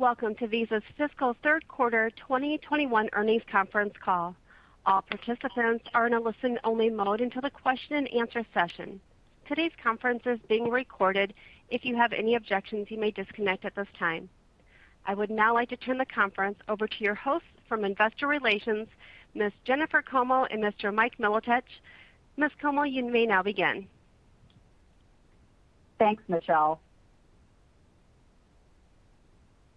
Welcome to Visa's fiscal third quarter 2021 earnings conference call. All participants are in a listen-only mode until the question and answer session. Today's conference is being recorded. If you have any objections, you may disconnect at this time. I would now like to turn the conference over to your hosts from investor relations, Ms. Jennifer Como and Mr. Mike Milotich. Ms. Como, you may now begin. Thanks, Michelle.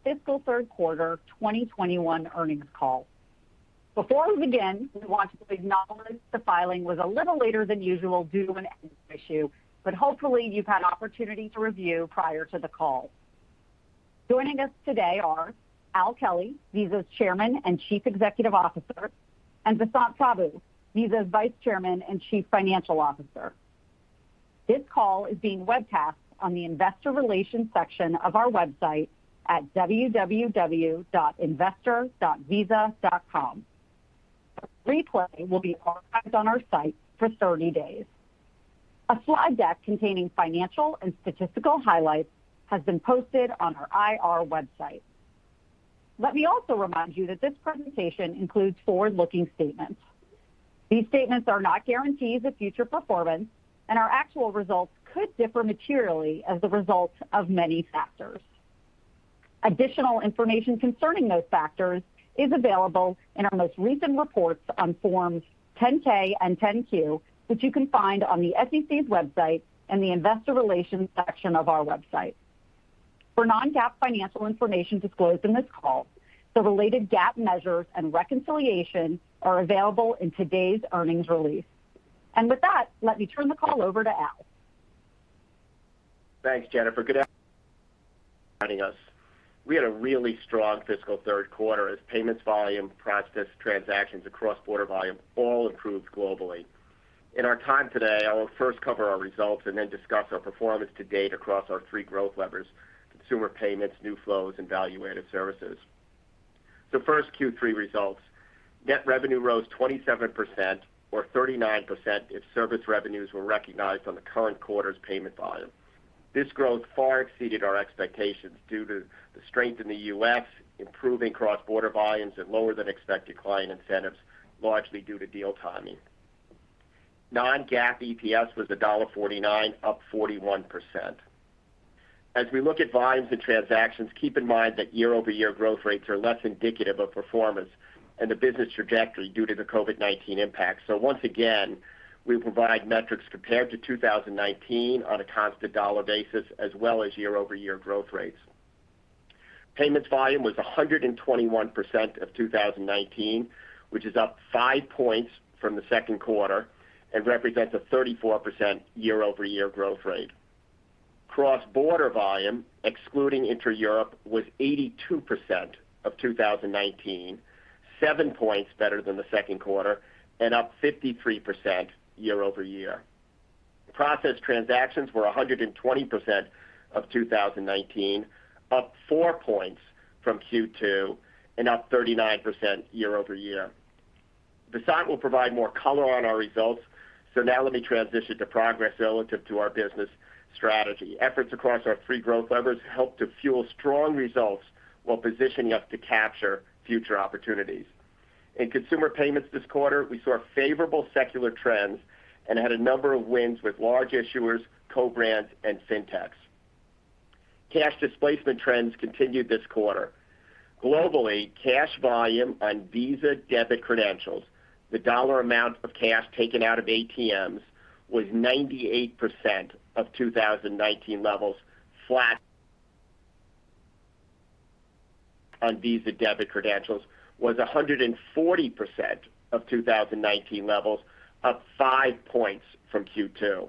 Fiscal third quarter 2021 earnings call. Before we begin, we want to acknowledge the filing was a little later than usual due to an issue, but hopefully you've had opportunity to review prior to the call. Joining us today are Al Kelly, Visa's Chairman and Chief Executive Officer, and Vasant Prabhu, Visa's Vice Chairman and Chief Financial Officer. This call is being webcast on the Investor Relations section of our website at www.investor.visa.com. A replay will be archived on our site for 30 day.. A slide deck containing financial and statistical highlights has been posted on our IR website. Let me also remind you that this presentation includes forward-looking statements. These statements are not guarantees of future performance and our actual results could differ materially as a result of many factors. Additional information concerning those factors is available in our most recent reports on Forms 10-K and 10-Q, which you can find on the SEC's website and the investor relations section of our website. For non-GAAP financial information disclosed in this call, the related GAAP measures and reconciliation are available in today's earnings release. With that, let me turn the call over to Al. Thanks, Jennifer. Good joining us. We had a really strong fiscal third quarter as payments volume, processed transactions, and cross-border volume all improved globally. In our time today, I will first cover our results and then discuss our performance to date across our three growth levers, consumer payments, new flows, and value-added services. First, Q3 results. Net revenue rose 27%, or 39% if service revenues were recognized on the current quarter's payment volume. This growth far exceeded our expectations due to the strength in the U.S., improving cross-border volumes at lower than expected client incentives, largely due to deal timing. Non-GAAP EPS was $1.49, up 41%. As we look at volumes and transactions, keep in mind that year-over-year growth rates are less indicative of performance and the business trajectory due to the COVID-19 impact. Once again, we provide metrics compared to 2019 on a constant dollar basis as well as year-over-year growth rates. Payments volume was 121% of 2019, which is up 5 points from the second quarter and represents a 34% year-over-year growth rate. Cross-border volume, excluding intra-Europe, was 82% of 2019, 7 points better than the second quarter and up 53% year-over-year. Processed transactions were 120% of 2019, up 4 points from Q2 and up 39% year-over-year. Vasant will provide more color on our results, let me transition to progress relative to our business strategy. Efforts across our three growth levers helped to fuel strong results while positioning us to capture future opportunities. In consumer payments this quarter, we saw favorable secular trends and had a number of wins with large issuers, co-brands, and fintechs. Cash displacement trends continued this quarter. Globally, cash volume on Visa debit credentials, the dollar amount of cash taken out of ATMs, was 98% of 2019 levels, flat on Visa debit credentials was 140% of 2019 levels, up 5 points from Q2.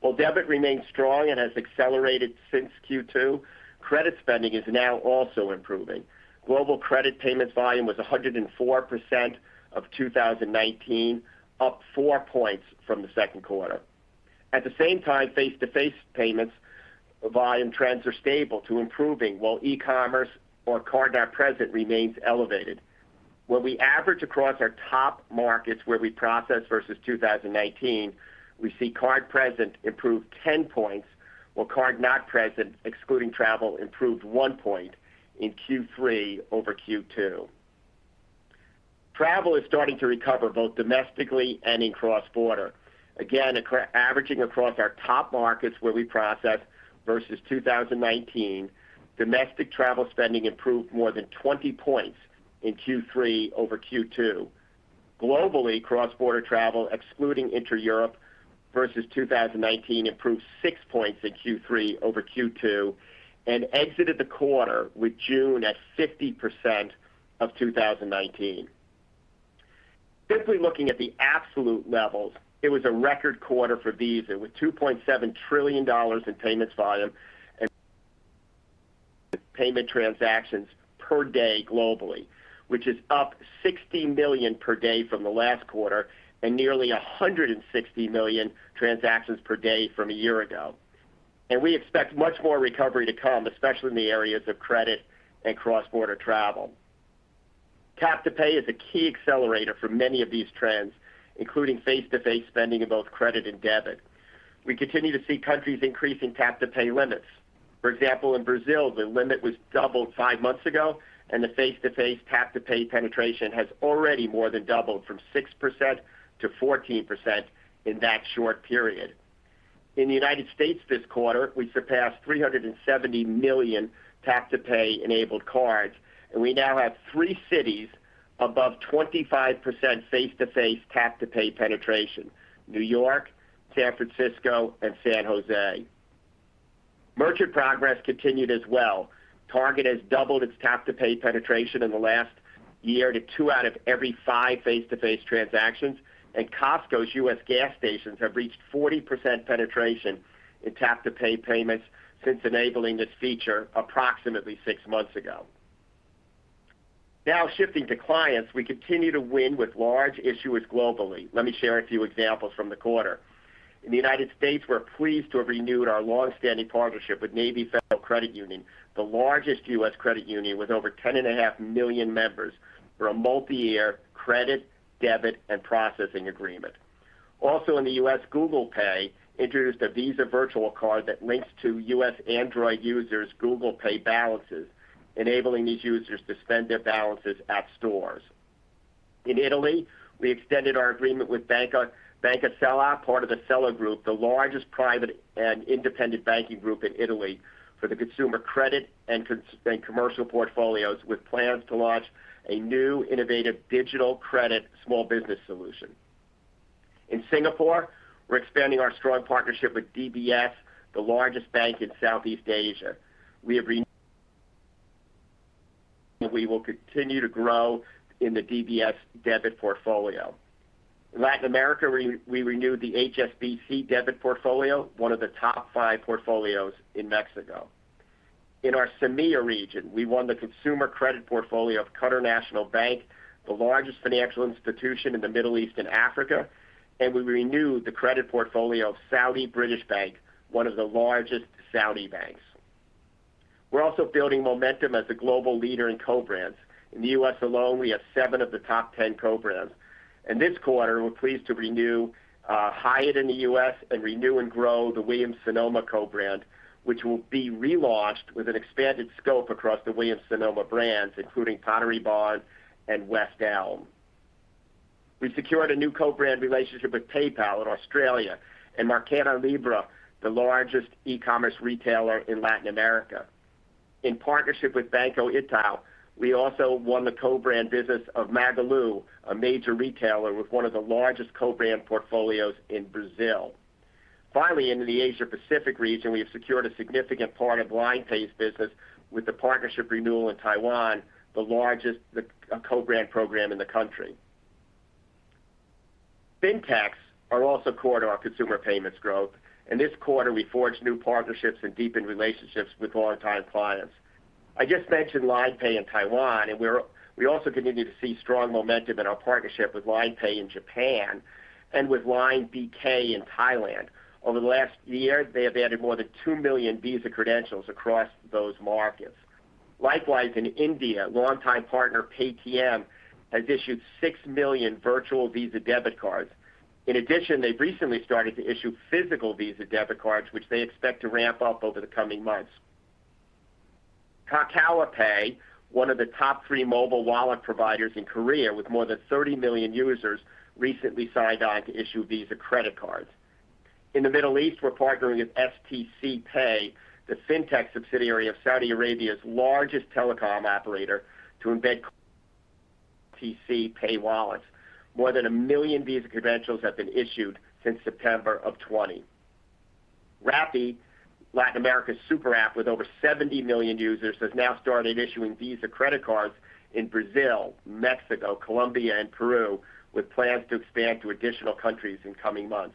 While debit remains strong and has accelerated since Q2, credit spending is now also improving. Global credit payments volume was 104% of 2019, up 4 points from the second quarter. At the same time, face-to-face payments volume trends are stable to improving, while e-commerce or card-not-present remains elevated. When we average across our top markets where we process versus 2019, we see card present improve 10 points, while card-not-present, excluding travel, improved 1 point in Q3 over Q2. Travel is starting to recover both domestically and in cross-border. Again, averaging across our top markets where we process versus 2019, domestic travel spending improved more than 20 points in Q3 over Q2. Globally, cross-border travel, excluding intra-Europe, versus 2019 improved 6 points in Q3 over Q2 and exited the quarter with June at 50% of 2019. Simply looking at the absolute levels, it was a record quarter for Visa with $2.7 trillion in payments volume and payment transactions per day globally, which is up 60 million per day from the last quarter and nearly 160 million transactions per day from a year ago. We expect much more recovery to come, especially in the areas of credit and cross-border travel. Tap to pay is a key accelerator for many of these trends, including face-to-face spending in both credit and debit. We continue to see countries increasing tap to pay limits. For example, in Brazil, the limit was doubled five months ago, and the face-to-face tap to pay penetration has already more than doubled from 6%-14% in that short period. In the United States this quarter, we surpassed $370 million tap to pay enabled cards, and we now have three cities above 25% face-to-face tap to pay penetration, New York, San Francisco, and San Jose. Merchant progress continued as well. Target has doubled its tap to pay penetration in the last year to two out of every five face-to-face transactions, and Costco's U.S. gas stations have reached 40% penetration in tap to pay payments since enabling this feature approximately six months ago. Shifting to clients, we continue to win with large issuers globally. Let me share a few examples from the quarter. In the United States, we are pleased to have renewed our long-standing partnership with Navy Federal Credit Union, the largest U.S. credit union with over $10.5 million members for a multi-year credit, debit, and processing agreement. In the U.S., Google Pay introduced a Visa virtual card that links to U.S. Android users' Google Pay balances, enabling these users to spend their balances at stores. In Italy, we extended our agreement with Banca Sella, part of the Sella Group, the largest private and independent banking group in Italy, for the consumer credit and commercial portfolios, with plans to launch a new innovative digital credit small business solution. In Singapore, we're expanding our strong partnership with DBS, the largest bank in Southeast Asia. We will continue to grow in the DBS debit portfolio. In Latin America, we renewed the HSBC debit portfolio, one of the top five portfolios in Mexico. In our CEMEA region, we won the consumer credit portfolio of Qatar National Bank, the largest financial institution in the Middle East and Africa, and we renewed the credit portfolio of Saudi British Bank, one of the largest Saudi banks. We're also building momentum as a global leader in co-brands. In the U.S. alone, we have seven of the top 10 co-brands. In this quarter, we're pleased to renew Hyatt in the U.S. and renew and grow the Williams Sonoma co-brand, which will be relaunched with an expanded scope across the Williams Sonoma brands, including Pottery Barn and West Elm. We've secured a new co-brand relationship with PayPal in Australia and Mercado Libre, the largest e-commerce retailer in Latin America. In partnership with Banco Itaú, we also won the co-brand business of Magalu, a major retailer with one of the largest co-brand portfolios in Brazil. Finally, in the Asia Pacific region, we have secured a significant part of LINE Pay's business with the partnership renewal in Taiwan, the largest co-brand program in the country. Fintechs are also core to our consumer payments growth. I just mentioned Line Pay in Taiwan, and we also continue to see strong momentum in our partnership with Line Pay in Japan and with Line BK in Thailand. Over the last year, they have added more than two million Visa credentials across those markets. Likewise, in India, longtime partner Paytm has issued six million virtual Visa debit cards. In addition, they've recently started to issue physical Visa debit cards, which they expect to ramp up over the coming months. Kakao Pay, one of the top three mobile wallet providers in Korea with more than 30 million users, recently signed on to issue Visa credit cards. In the Middle East, we're partnering with stc pay, the fintech subsidiary of Saudi Arabia's largest telecom operator, to embed stc pay wallets. More than a million Visa credentials have been issued since September of 2020. Rappi, Latin America's super app with over 70 million users, has now started issuing Visa credit cards in Brazil, Mexico, Colombia, and Peru, with plans to expand to additional countries in coming months.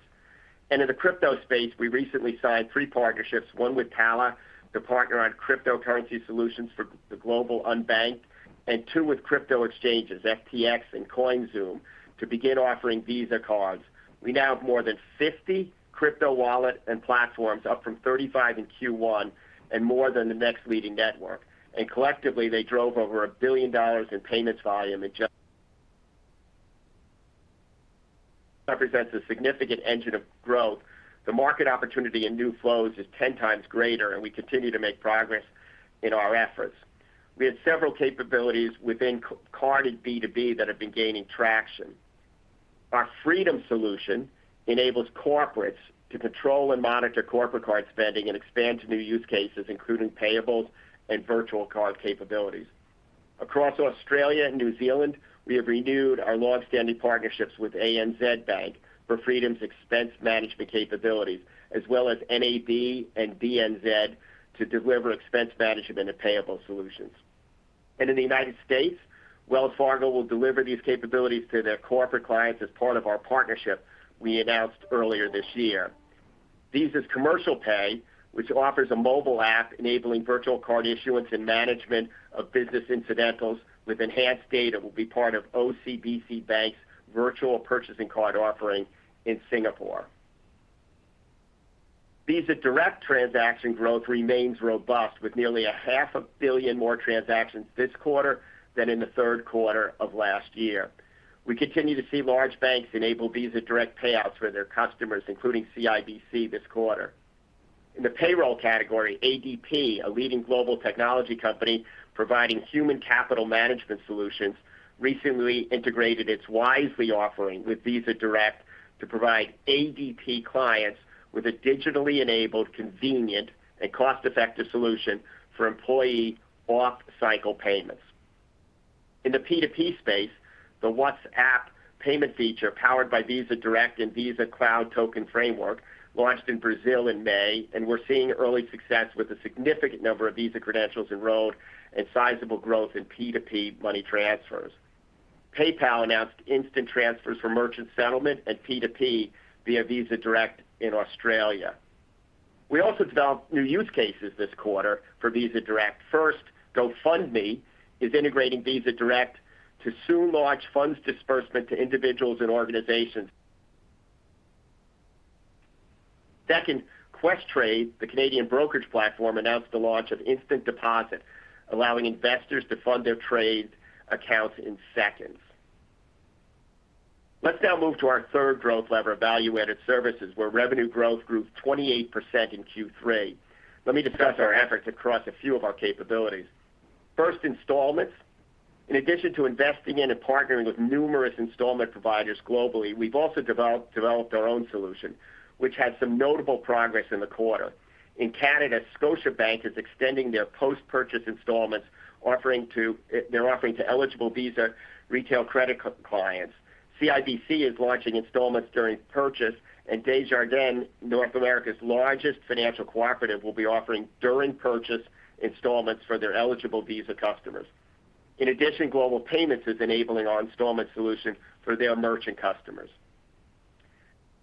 In the crypto space, we recently signed three partnerships, one with Tala, to partner on cryptocurrency solutions for the global unbanked, and two with crypto exchanges, FTX and CoinZoom, to begin offering Visa cards. We now have more than 50 crypto wallet and platforms, up from 35 in Q1, and more than the next leading network. Collectively, they drove over $1 billion in payments volume in just represents a significant engine of growth. The market opportunity in new flows is 10 times greater, and we continue to make progress in our efforts. We had several capabilities within card and B2B that have been gaining traction. Our Fraedom solution enables corporates to control and monitor corporate card spending and expand to new use cases, including payables and virtual card capabilities. Across Australia and New Zealand, we have renewed our long-standing partnerships with ANZ Bank for Fraedom's expense management capabilities, as well as NAB and BNZ to deliver expense management and payable solutions. In the U.S., Wells Fargo will deliver these capabilities to their corporate clients as part of our partnership we announced earlier this year. Visa Commercial Pay, which offers a mobile app enabling virtual card issuance and management of business incidentals with enhanced data, will be part of OCBC Bank's virtual purchasing card offering in Singapore. Visa Direct transaction growth remains robust with nearly a half a billion more transactions this quarter than in the third quarter of last year. We continue to see large banks enable Visa Direct Payouts for their customers, including CIBC this quarter. In the payroll category, ADP, a leading global technology company providing human capital management solutions, recently integrated its Wisely offering with Visa Direct to provide ADP clients with a digitally enabled, convenient, and cost-effective solution for employee off-cycle payments. In the P2P space, the WhatsApp payment feature, powered by Visa Direct and Visa Cloud Token Framework, launched in Brazil in May. We're seeing early success with a significant number of Visa credentials enrolled and sizable growth in P2P money transfers. PayPal announced instant transfers for merchant settlement and P2P via Visa Direct in Australia. We also developed new use cases this quarter for Visa Direct. First, GoFundMe is integrating Visa Direct to soon launch funds disbursement to individuals and organizations. Second, Questrade, the Canadian brokerage platform, announced the launch of instant deposit, allowing investors to fund their trade accounts in seconds. Let's now move to our third growth lever, value-added services, where revenue growth grew 28% in Q3. Let me discuss our efforts across a few of our capabilities. First, installments. In addition to investing in and partnering with numerous installment providers globally, we've also developed our own solution, which had some notable progress in the quarter. In Canada, Scotiabank is extending their post-purchase installments they're offering to eligible Visa retail credit clients. CIBC is launching installments during purchase. Desjardins, North America's largest financial cooperative, will be offering during-purchase installments for their eligible Visa customers. In addition, Global Payments is enabling our installment solution for their merchant customers.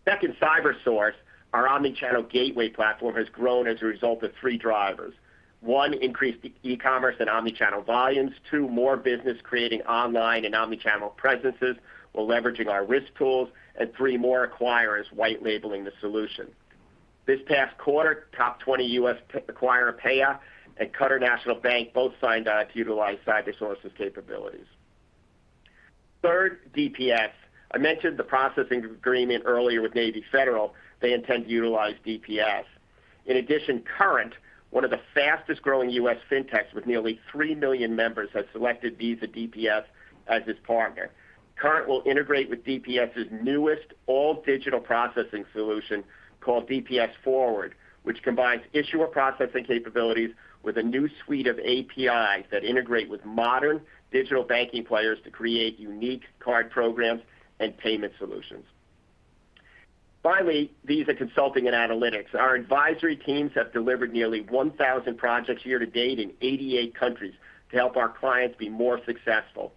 Second, Cybersource, our omni-channel gateway platform, has grown as a result of three drivers. One, increased e-commerce and omni-channel volumes. Two, more business creating online and omni-channel presences while leveraging our risk tools. Three, more acquirers white labeling the solution. This past quarter, top 20 U.S. acquirer, Paya, and Qatar National Bank both signed on to utilize Cybersource's capabilities. Third, DPS. I mentioned the processing agreement earlier with Navy Federal. They intend to utilize DPS. In addition, Current, one of the fastest-growing U.S. fintechs with nearly three million members, has selected Visa DPS as its partner. Current will integrate with DPS's newest all-digital processing solution called DPS Forward, which combines issuer processing capabilities with a new suite of APIs that integrate with modern digital banking players to create unique card programs and payment solutions. Finally, Visa Consulting and Analytics. Our advisory teams have delivered nearly 1,000 projects year to date in 88 countries to help our clients be more successful.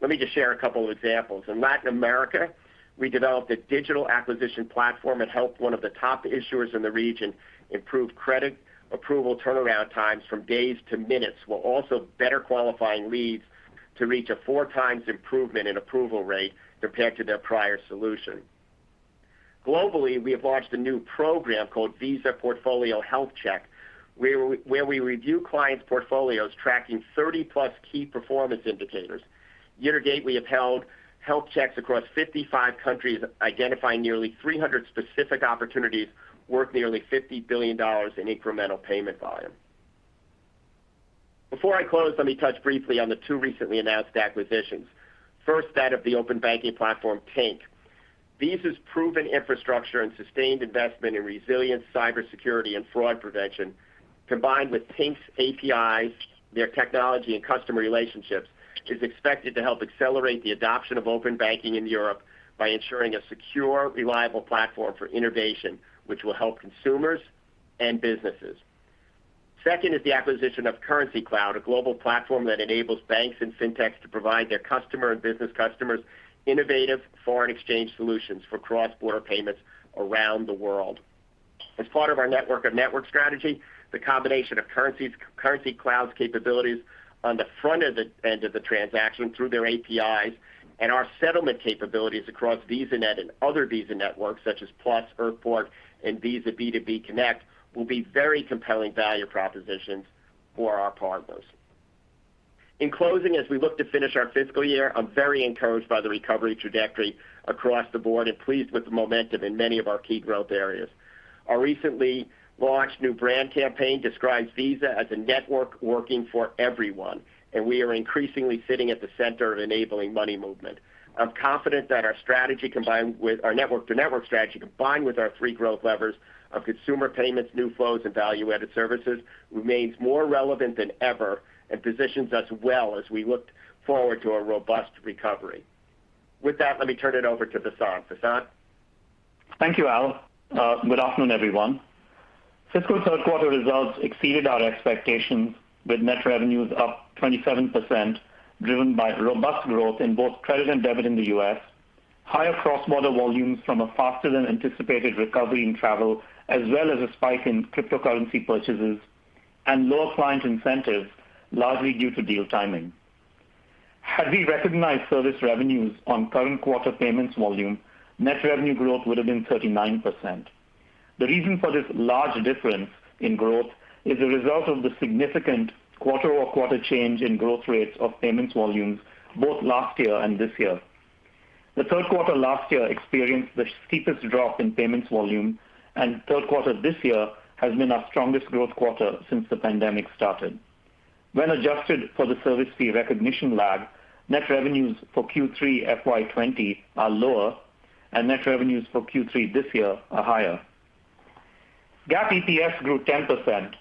Let me just share a couple of examples. In Latin America, we developed a digital acquisition platform that helped one of the top issuers in the region improve credit approval turnaround times from days to minutes, while also better qualifying leads to reach a four times improvement in approval rate compared to their prior solution. Globally, we have launched a new program called Visa Portfolio Health Check, where we review clients' portfolios, tracking 30+ key performance indicators. Year to date, we have held health checks across 55 countries, identifying nearly 300 specific opportunities worth nearly $50 billion in incremental payment volume. Before I close, let me touch briefly on the two recently announced acquisitions. First, that of the open banking platform, Tink. Visa's proven infrastructure and sustained investment in resilient cybersecurity and fraud prevention, combined with Tink's APIs, their technology, and customer relationships, is expected to help accelerate the adoption of open banking in Europe by ensuring a secure, reliable platform for innovation, which will help consumers and businesses. Second is the acquisition of Currencycloud, a global platform that enables banks and fintechs to provide their customer and business customers innovative foreign exchange solutions for cross-border payments around the world. As part of our network of network strategy, the combination of Currencycloud's capabilities on the front end of the transaction through their APIs and our settlement capabilities across VisaNet and other Visa networks such as Plus, Earthport, and Visa B2B Connect will be very compelling value propositions for our partners. In closing, as we look to finish our fiscal year, I'm very encouraged by the recovery trajectory across the board and pleased with the momentum in many of our key growth areas. Our recently launched new brand campaign describes Visa as a network working for everyone, and we are increasingly sitting at the center of enabling money movement. I'm confident that our network-to-network strategy, combined with our three growth levers of consumer payments, new flows, and value-added services, remains more relevant than ever and positions us well as we look forward to a robust recovery. With that, let me turn it over to Vasant. Vasant? Thank you, Al. Good afternoon, everyone. Fiscal third quarter results exceeded our expectations with net revenues up 27%, driven by robust growth in both credit and debit in the U.S., higher cross-border volumes from a faster-than-anticipated recovery in travel, as well as a spike in cryptocurrency purchases, and lower client incentives, largely due to deal timing. Had we recognized service revenues on current quarter payments volume, net revenue growth would have been 39%. The reason for this large difference in growth is a result of the significant quarter-over-quarter change in growth rates of payments volumes both last year and this year. The third quarter last year experienced the steepest drop in payments volume, and third quarter this year has been our strongest growth quarter since the pandemic started. When adjusted for the service fee recognition lag, net revenues for Q3 FY 2020 are lower, and net revenues for Q3 this year are higher. GAAP EPS grew 10%,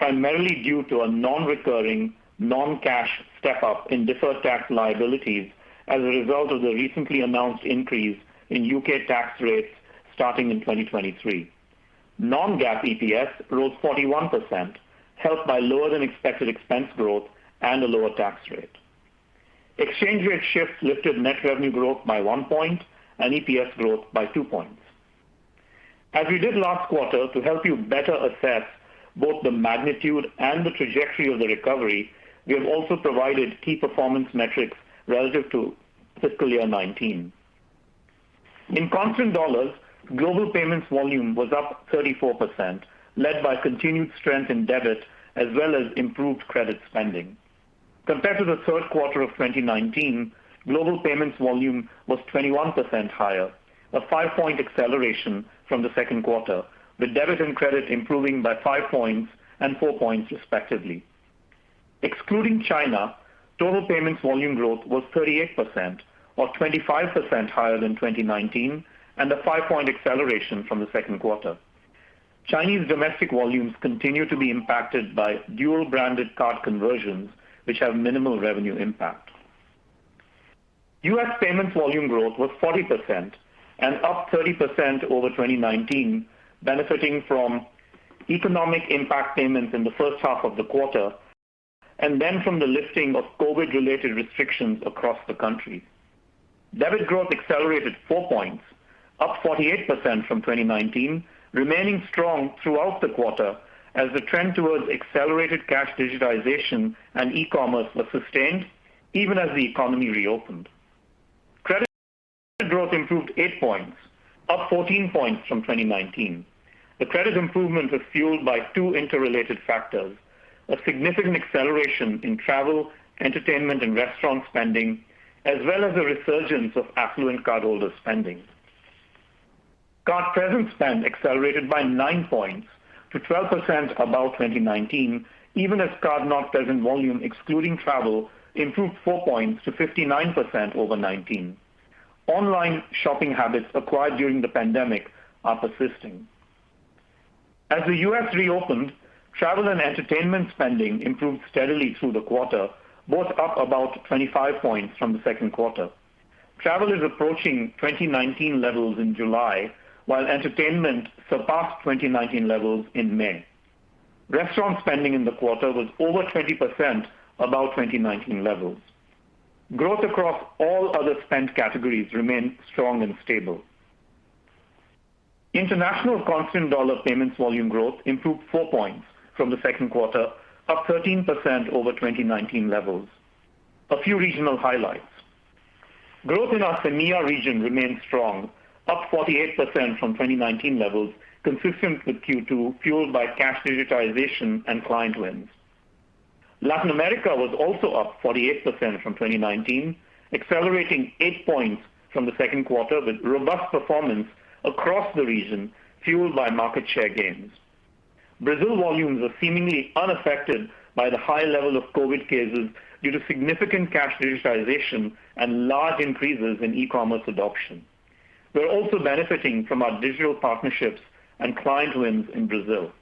primarily due to a non-recurring non-cash step-up in deferred tax liabilities as a result of the recently announced increase in U.K. tax rates starting in 2023. Non-GAAP EPS rose 41%, helped by lower than expected expense growth and a lower tax rate. Exchange rate shifts lifted net revenue growth by 1 point and EPS growth by 2 points. As we did last quarter, to help you better assess both the magnitude and the trajectory of the recovery, we have also provided key performance metrics relative to fiscal year 2019. In constant dollars, global payments volume was up 34%, led by continued strength in debit as well as improved credit spending. Compared to the third quarter of 2019, global payments volume was 21% higher, a 5-point acceleration from the second quarter, with debit and credit improving by 5 points and 4 points respectively. Excluding China, total payments volume growth was 38%, or 25% higher than 2019, and a 5-point acceleration from the second quarter. Chinese domestic volumes continue to be impacted by dual-branded card conversions, which have minimal revenue impact. US payments volume growth was 40% and up 30% over 2019, benefiting from economic impact payments in the first half of the quarter, and then from the lifting of COVID-19-related restrictions across the country. Debit growth accelerated 4 points, up 48% from 2019, remaining strong throughout the quarter as the trend towards accelerated cash digitization and e-commerce was sustained even as the economy reopened. Credit growth improved 8 points, up 14 points from 2019. The credit improvements are fueled by two interrelated factors, a significant acceleration in travel, entertainment, and restaurant spending, as well as a resurgence of affluent cardholder spending. Card present spend accelerated by 9 points to 12% above 2019, even as card-not-present volume, excluding travel, improved 4 points to 59% over 2019. Online shopping habits acquired during the pandemic are persisting. As the U.S. reopened, travel and entertainment spending improved steadily through the quarter, both up about 25 points from the second quarter. Travel is approaching 2019 levels in July, while entertainment surpassed 2019 levels in May. Restaurant spending in the quarter was over 20% above 2019 levels. Growth across all other spend categories remained strong and stable. International constant dollar payments volume growth improved 4 points from the second quarter, up 13% over 2019 levels. A few regional highlights. Growth in our EMEA region remained strong, up 48% from 2019 levels, consistent with Q2, fueled by cash digitization and client wins. Latin America was also up 48% from 2019, accelerating 8 points from the second quarter with robust performance across the region, fueled by market share gains. Brazil volumes are seemingly unaffected by the high level of COVID cases due to significant cash digitization and large increases in e-commerce adoption. We're also benefiting from our digital partnerships and client wins in Brazil.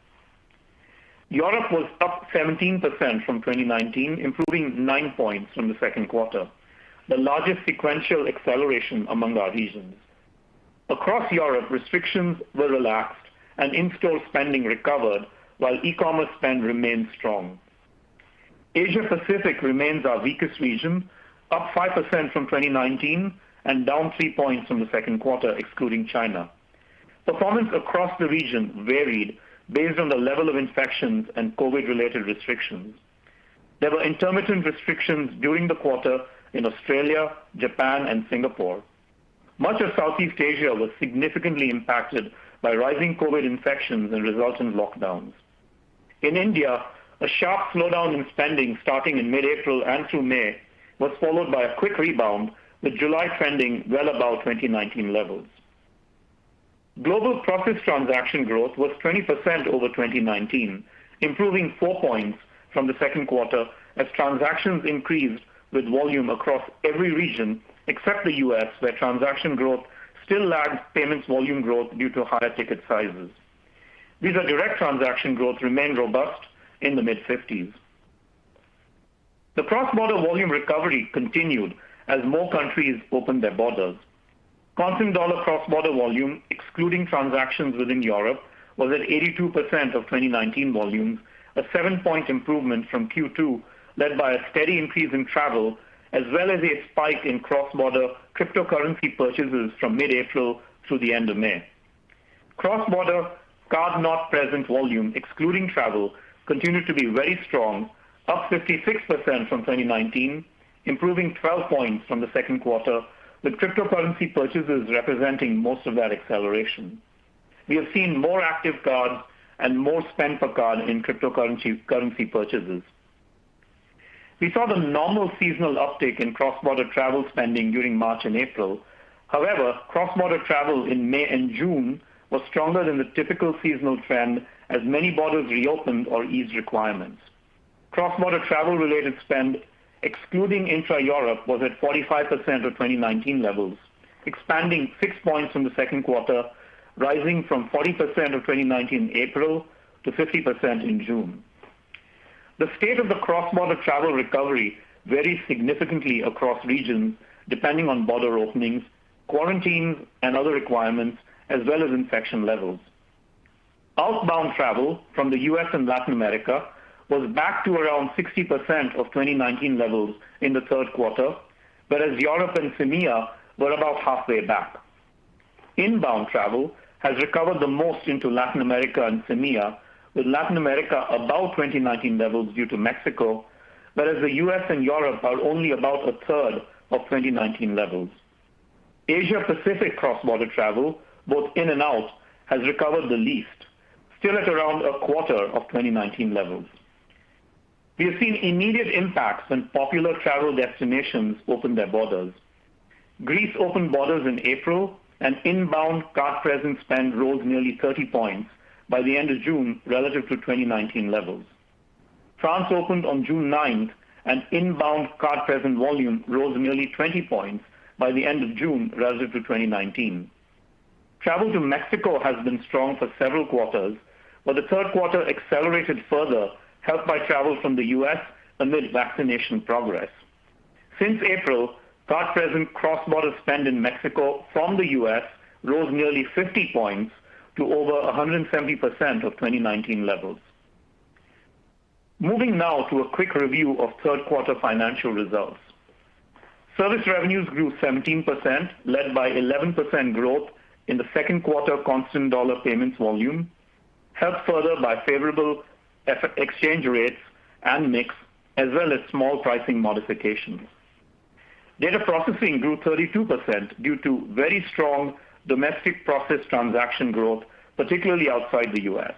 Europe was up 17% from 2019, improving nine points from the second quarter, the largest sequential acceleration among our regions. Across Europe, restrictions were relaxed, and in-store spending recovered while e-commerce spend remained strong. Asia Pacific remains our weakest region, up 5% from 2019 and down three points from the second quarter, excluding China. Performance across the region varied based on the level of infections and COVID-related restrictions. There were intermittent restrictions during the quarter in Australia, Japan, and Singapore. Much of Southeast Asia was significantly impacted by rising COVID infections and resultant lockdowns. In India, a sharp slowdown in spending starting in mid-April and through May was followed by a quick rebound, with July trending well above 2019 levels. Global processed transaction growth was 20% over 2019, improving 4 points from the second quarter as transactions increased with volume across every region except the U.S., where transaction growth still lags payments volume growth due to higher ticket sizes. Visa Direct transaction growth remained robust in the mid-50s. The cross-border volume recovery continued as more countries opened their borders. Constant dollar cross-border volume, excluding transactions within Europe, was at 82% of 2019 volumes, a 7-point improvement from Q2 led by a steady increase in travel as well as a spike in cross-border cryptocurrency purchases from mid-April through the end of May. Cross-border card-not-present volume, excluding travel, continued to be very strong, up 56% from 2019, improving 12 points from the second quarter, with cryptocurrency purchases representing most of that acceleration. We have seen more active cards and more spend per card in cryptocurrency purchases. We saw the normal seasonal uptick in cross-border travel spending during March and April. However, cross-border travel in May and June was stronger than the typical seasonal trend as many borders reopened or eased requirements. Cross-border travel related spend, excluding intra-Europe, was at 45% of 2019 levels, expanding 6 points from the second quarter, rising from 40% of 2019 April to 50% in June. The state of the cross-border travel recovery varies significantly across regions depending on border openings, quarantines, and other requirements, as well as infection levels. Outbound travel from the U.S. and Latin America was back to around 60% of 2019 levels in the third quarter, whereas Europe and MEA were about halfway back. Inbound travel has recovered the most into Latin America and MEA, with Latin America above 2019 levels due to Mexico, whereas the U.S. and Europe are only about a third of 2019 levels. Asia Pacific cross-border travel, both in and out, has recovered the least, still at around a quarter of 2019 levels. We have seen immediate impacts when popular travel destinations opened their borders. Greece opened borders in April inbound card present spend rose nearly 30 points by the end of June relative to 2019 levels. France opened on June 9th. Inbound card-present volume rose nearly 20 points by the end of June relative to 2019. Travel to Mexico has been strong for several quarters. The third quarter accelerated further, helped by travel from the U.S. amid vaccination progress. Since April, card-present cross-border spend in Mexico from the U.S. rose nearly 50 points to over 170% of 2019 levels. Moving now to a quick review of third-quarter financial results. Service revenues grew 17%, led by 11% growth in the second quarter constant dollar payments volume, helped further by favorable exchange rates and mix, as well as small pricing modifications. Data processing grew 32% due to very strong domestic process transaction growth, particularly outside the U.S.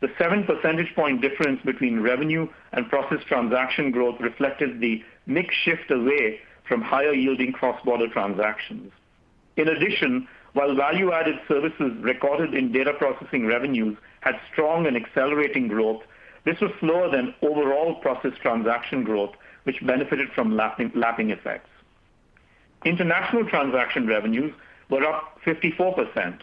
The 7 percentage point difference between revenue and processed transaction growth reflected the mix shift away from higher yielding cross-border transactions. While value-added services recorded in data processing revenues had strong and accelerating growth, this was slower than overall processed transaction growth, which benefited from lapping effects. International transaction revenues were up 54%,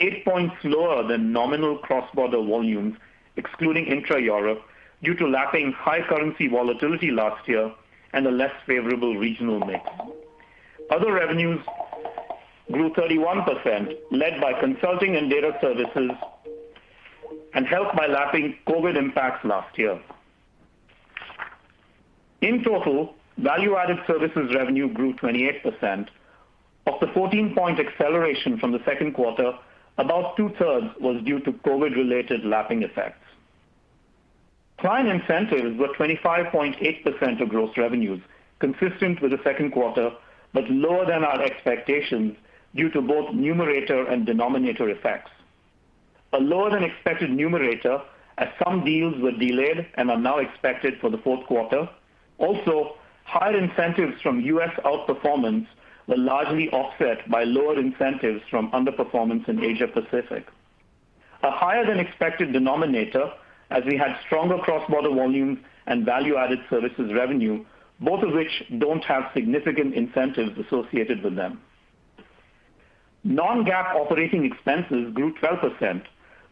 8 points lower than nominal cross-border volumes, excluding intra-Europe, due to lapping high currency volatility last year and a less favorable regional mix. Other revenues grew 31%, led by consulting and data services and helped by lapping COVID impacts last year. Value-added services revenue grew 28%. Of the 14-point acceleration from the second quarter, about two-thirds was due to COVID-related lapping effects. Client incentives were 25.8% of gross revenues, consistent with the second quarter, lower than our expectations due to both numerator and denominator effects. A lower than expected numerator as some deals were delayed and are now expected for the fourth quarter. Higher incentives from U.S. outperformance were largely offset by lower incentives from underperformance in Asia Pacific. A higher than expected denominator as we had stronger cross-border volumes and value-added services revenue, both of which don't have significant incentives associated with them. Non-GAAP operating expenses grew 12%,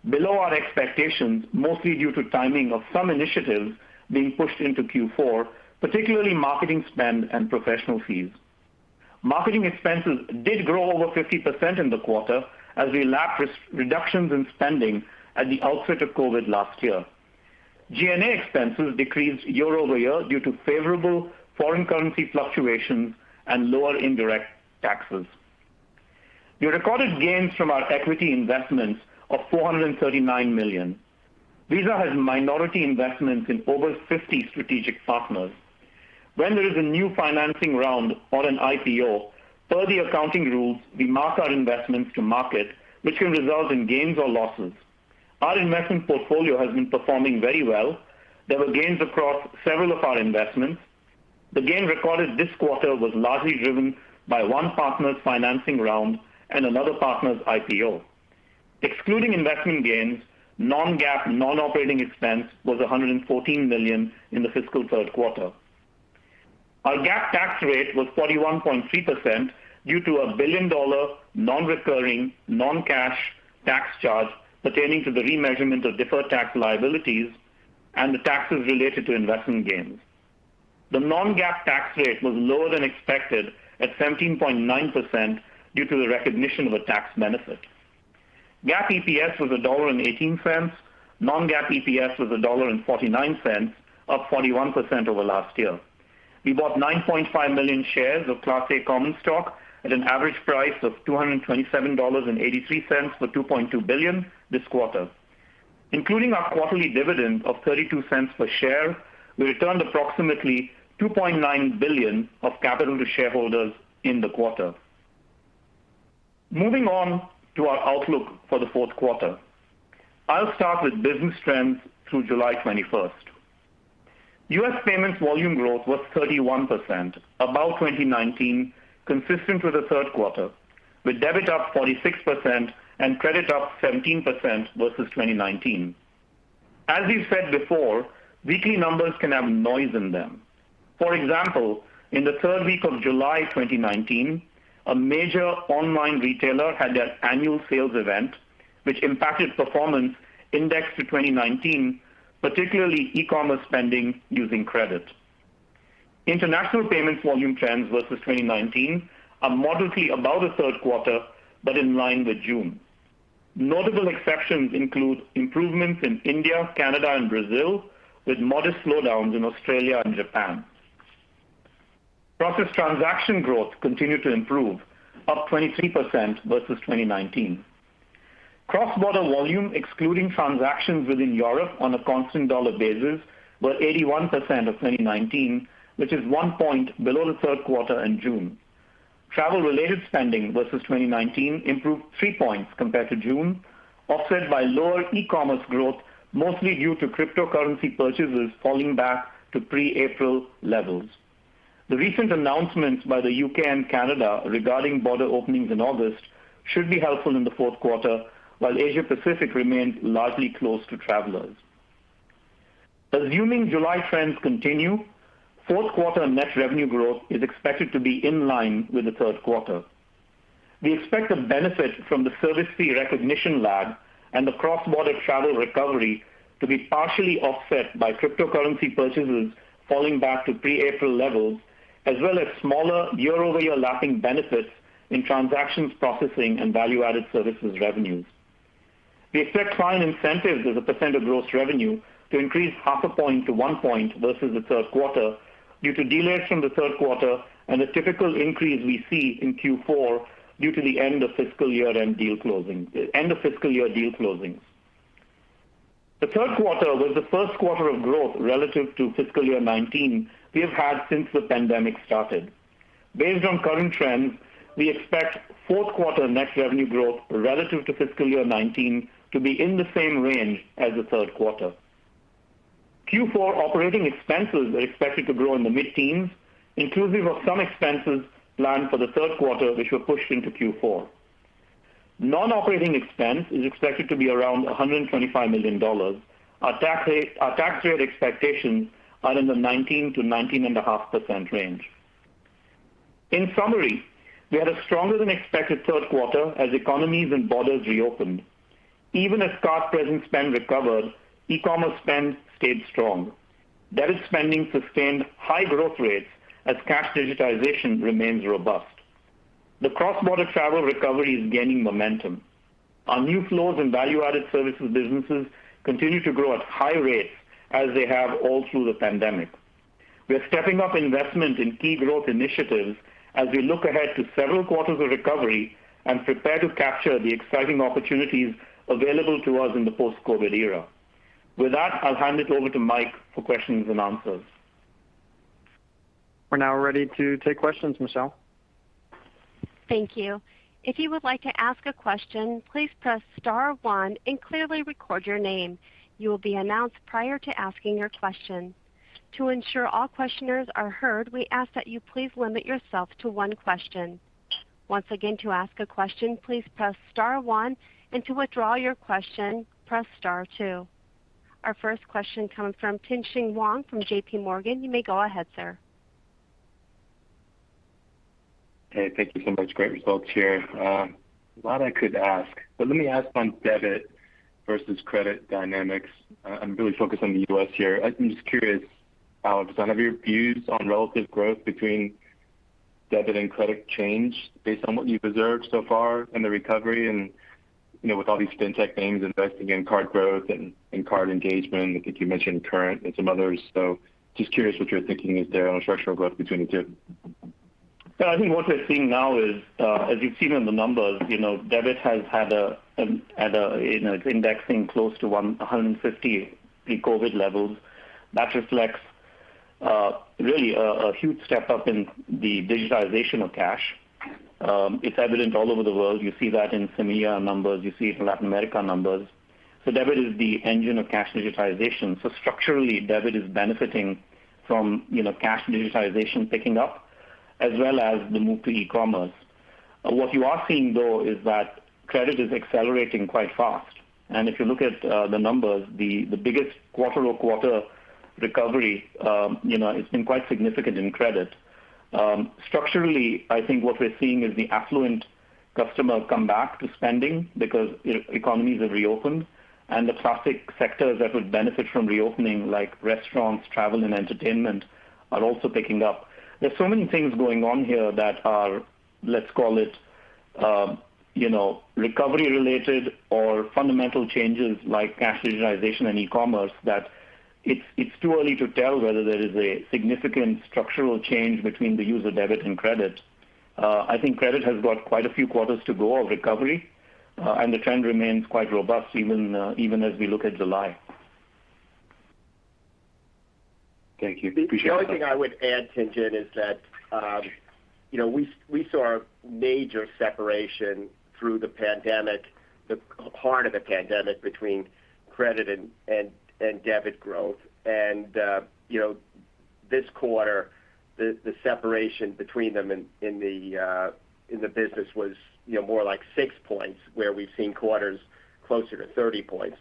below our expectations, mostly due to timing of some initiatives being pushed into Q4, particularly marketing spend and professional fees. Marketing expenses did grow over 50% in the quarter as we lapped reductions in spending at the outset of COVID last year. G&A expenses decreased year-over-year due to favorable foreign currency fluctuations and lower indirect taxes. We recorded gains from our equity investments of $439 million. Visa has minority investments in over 50 strategic partners. When there is a new financing round on an IPO, per the accounting rules, we mark our investments to market, which can result in gains or losses. Our investment portfolio has been performing very well. There were gains across several of our investments. The gain recorded this quarter was largely driven by one partner's financing round and another partner's IPO. Excluding investment gains, non-GAAP, non-operating expense was $114 million in the fiscal third quarter. Our GAAP tax rate was 41.3% due to a billion-dollar non-recurring, non-cash tax charge pertaining to the remeasurement of deferred tax liabilities and the taxes related to investment gains. The non-GAAP tax rate was lower than expected at 17.9% due to the recognition of a tax benefit. GAAP EPS was $1.18. Non-GAAP EPS was $1.49, up 41% over last year. We bought 9.5 million shares of Class A common stock at an average price of $227.83 for $2.2 billion this quarter. Including our quarterly dividend of $0.32 per share, we returned approximately $2.9 billion of capital to shareholders in the quarter. Moving on to our outlook for the fourth quarter. I'll start with business trends through July 21st. U.S. payments volume growth was 31%, above 2019, consistent with the third quarter, with debit up 46% and credit up 17% versus 2019. As we've said before, weekly numbers can have noise in them. For example, in the third week of July 2019, a major online retailer had their annual sales event, which impacted performance indexed to 2019, particularly e-commerce spending using credit. International payments volume trends versus 2019 are modestly above the third quarter but in line with June. Notable exceptions include improvements in India, Canada, and Brazil, with modest slowdowns in Australia and Japan. Processed transaction growth continued to improve, up 23% versus 2019. Cross-border volume, excluding transactions within Europe on a constant dollar basis, were 81% of 2019, which is 1 point below the third quarter in June. Travel-related spending versus 2019 improved 3 points compared to June, offset by lower e-commerce growth, mostly due to cryptocurrency purchases falling back to pre-April levels. The recent announcements by the U.K. and Canada regarding border openings in August should be helpful in the fourth quarter, while Asia Pacific remains largely closed to travelers. Assuming July trends continue, fourth quarter net revenue growth is expected to be in line with the third quarter. We expect the benefit from the service fee recognition lag and the cross-border travel recovery to be partially offset by cryptocurrency purchases falling back to pre-April levels, as well as smaller year-over-year lapping benefits in transactions processing and value-added services revenues. We expect client incentives as a percent of gross revenue to increase 0.5 point-1 point versus the third quarter due to dealings from the third quarter and the typical increase we see in Q4 due to the end-of-fiscal-year deal closings. The third quarter was the first quarter of growth relative to fiscal year 2019 we have had since the pandemic started. Based on current trends, we expect fourth quarter net revenue growth relative to fiscal year 2019 to be in the same range as the third quarter. Q4 operating expenses are expected to grow in the mid-teens, inclusive of some expenses planned for the third quarter, which were pushed into Q4. Non-operating expense is expected to be around $125 million. Our tax rate expectations are in the 19%-19.5% range. In summary, we had a stronger-than-expected third quarter as economies and borders reopened. Even as card present spend recovered, e-commerce spend stayed strong. Debit spending sustained high growth rates as cash digitization remains robust. The cross-border travel recovery is gaining momentum. Our new flows and value-added services businesses continue to grow at high rates as they have all through the pandemic. We are stepping up investment in key growth initiatives as we look ahead to several quarters of recovery and prepare to capture the exciting opportunities available to us in the post-COVID-19 era. With that, I'll hand it over to Mike for questions and answers. We're now ready to take questions, Michelle. Thank you. If you would like to ask a question, please press star one and clearly record your name. You will be announced prior to asking your question. To ensure all questioners are heard, we ask that you please limit yourself to one question. Once again, to ask a question, please press star one, and to withdraw your question, press star two. Our first question comes from Tien-Tsin Huang from JPMorgan. You may go ahead, sir. Hey, thank you so much. Great results here. A lot I could ask, but let me ask on debit versus credit dynamics. I'm really focused on the U.S. here. I'm just curious, Al, have your views on relative growth between debit and credit changed based on what you've observed so far in the recovery? With all these fintech names investing in card growth and in card engagement, I think you mentioned Current and some others. Just curious what your thinking is there on structural growth between the two. I think what we're seeing now is, as you've seen in the numbers, debit is indexing close to 150 pre-COVID-19 levels. That reflects really a huge step-up in the digitization of cash. It's evident all over the world. You see that in EMEA numbers, you see it in Latin America numbers. Debit is the engine of cash digitization. Structurally, debit is benefiting from cash digitization picking up, as well as the move to e-commerce. What you are seeing, though, is that credit is accelerating quite fast. If you look at the numbers, the biggest quarter-over-quarter recovery has been quite significant in credit. Structurally, I think what we're seeing is the affluent customer come back to spending because economies have reopened, and the classic sectors that would benefit from reopening, like restaurants, travel, and entertainment, are also picking up. There's so many things going on here that are, let's call it, recovery related or fundamental changes like cash digitization and e-commerce that it's too early to tell whether there is a significant structural change between the use of debit and credit. I think credit has got quite a few quarters to go of recovery, and the trend remains quite robust even as we look at July. Thank you. Appreciate that. The only thing I would add to, Tien-Tsin Huang, is that we saw a major separation through the pandemic, the heart of the pandemic between credit and debit growth. This quarter, the separation between them in the business was more like 6 points where we've seen quarters closer to 30 points.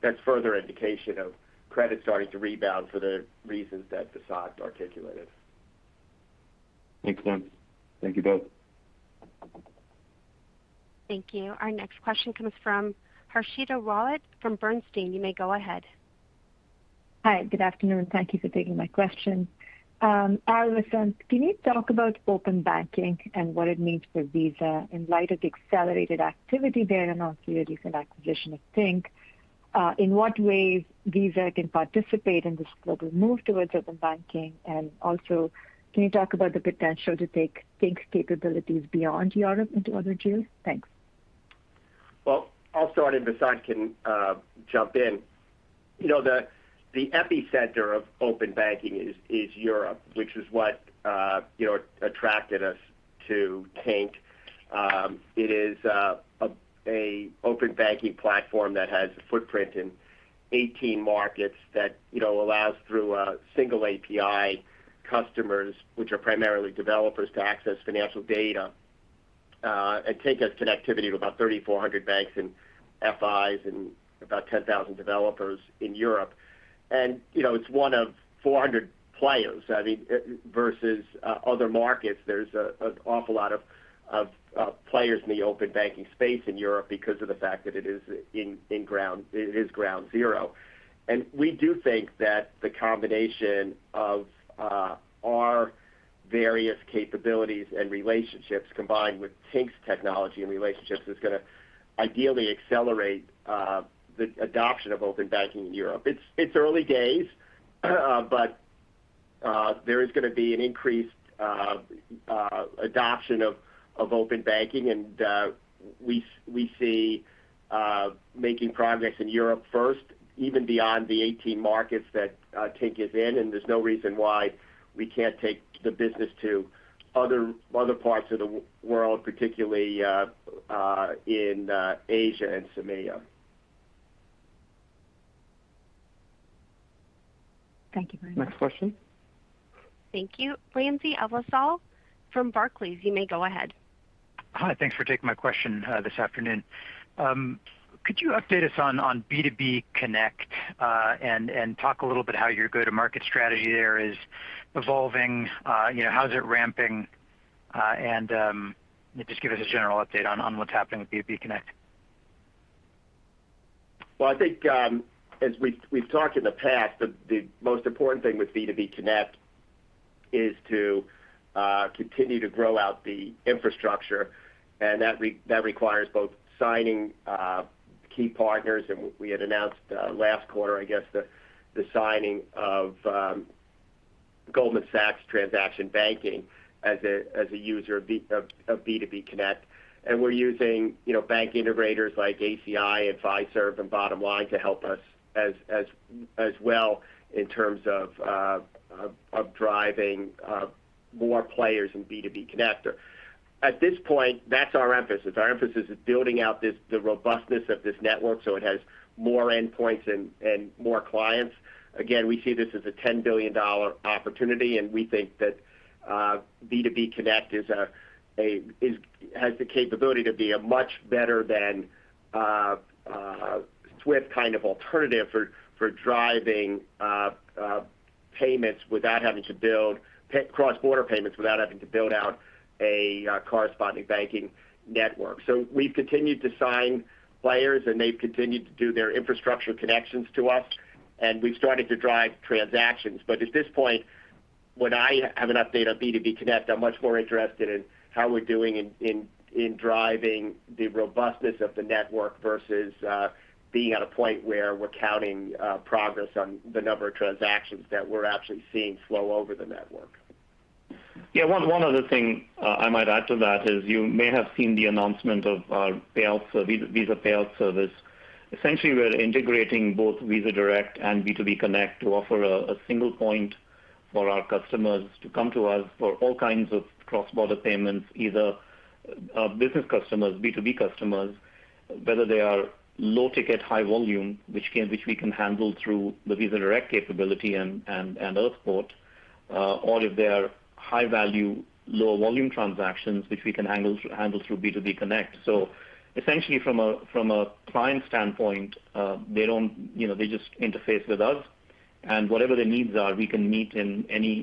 That's further indication of credit starting to rebound for the reasons that Vasant articulated. Thanks, Vasant. Thank you both. Thank you. Our next question comes from Harshita Rawat from Bernstein. You may go ahead. Hi, good afternoon. Thank you for taking my question. Al and Vasant, can you talk about open banking and what it means for Visa in light of the accelerated activity there and also your recent acquisition of Tink? In what ways Visa can participate in this global move towards open banking, and also can you talk about the potential to take Tink's capabilities beyond Europe into other geos? Thanks. Well, I will start and Vasant can jump in. The epicenter of open banking is Europe, which is what attracted us to Tink. It is an open banking platform that has a footprint in 18 markets that allows through a single API customers, which are primarily developers, to access financial data, and take us connectivity to about 3,400 banks and FIs and about 10,000 developers in Europe. It's 1 of 400 players. Versus other markets, there's an awful lot of players in the open banking space in Europe because of the fact that it is ground zero. We do think that the combination of our various capabilities and relationships combined with Tink's technology and relationships is going to ideally accelerate the adoption of open banking in Europe. It's early days. There is going to be an increased adoption of open banking. We see making progress in Europe first, even beyond the 18 markets that Tink is in. There's no reason why we can't take the business to other parts of the world, particularly in Asia and CEMEA. Thank you very much. Next question. Thank you. Ramsey El-Assal from Barclays, you may go ahead. Hi, thanks for taking my question this afternoon. Could you update us on B2B Connect, and talk a little bit how your go-to market strategy there is evolving? How is it ramping? Just give us a general update on what's happening with B2B Connect. Well, I think as we've talked in the past, the most important thing with B2B Connect is to continue to grow out the infrastructure, and that requires both signing key partners, and we had announced last quarter, I guess, the signing of Goldman Sachs Transaction Banking as a user of B2B Connect. We're using bank integrators like ACI, Fiserv, and Bottomline to help us as well in terms of driving more players in B2B Connect. At this point, that's our emphasis. Our emphasis is building out the robustness of this network so it has more endpoints and more clients. Again, we see this as a $10 billion opportunity, and we think that B2B Connect has the capability to be a much better than a SWIFT kind of alternative for driving cross-border payments without having to build out a corresponding banking network. We've continued to sign players and they've continued to do their infrastructure connections to us, and we've started to drive transactions. At this point, when I have an update on Visa B2B Connect, I'm much more interested in how we're doing in driving the robustness of the network versus being at a point where we're counting progress on the number of transactions that we're actually seeing flow over the network. Yeah, one other thing I might add to that is you may have seen the announcement of our Visa Direct Payouts. Essentially, we're integrating both Visa Direct and B2B Connect to offer a single point for our customers to come to us for all kinds of cross-border payments, either business customers, B2B customers, whether they are low ticket, high volume, which we can handle through the Visa Direct capability and Earthport, or if they are high value, low volume transactions, which we can handle through B2B Connect. Essentially from a client standpoint, they just interface with us and whatever their needs are, we can meet in any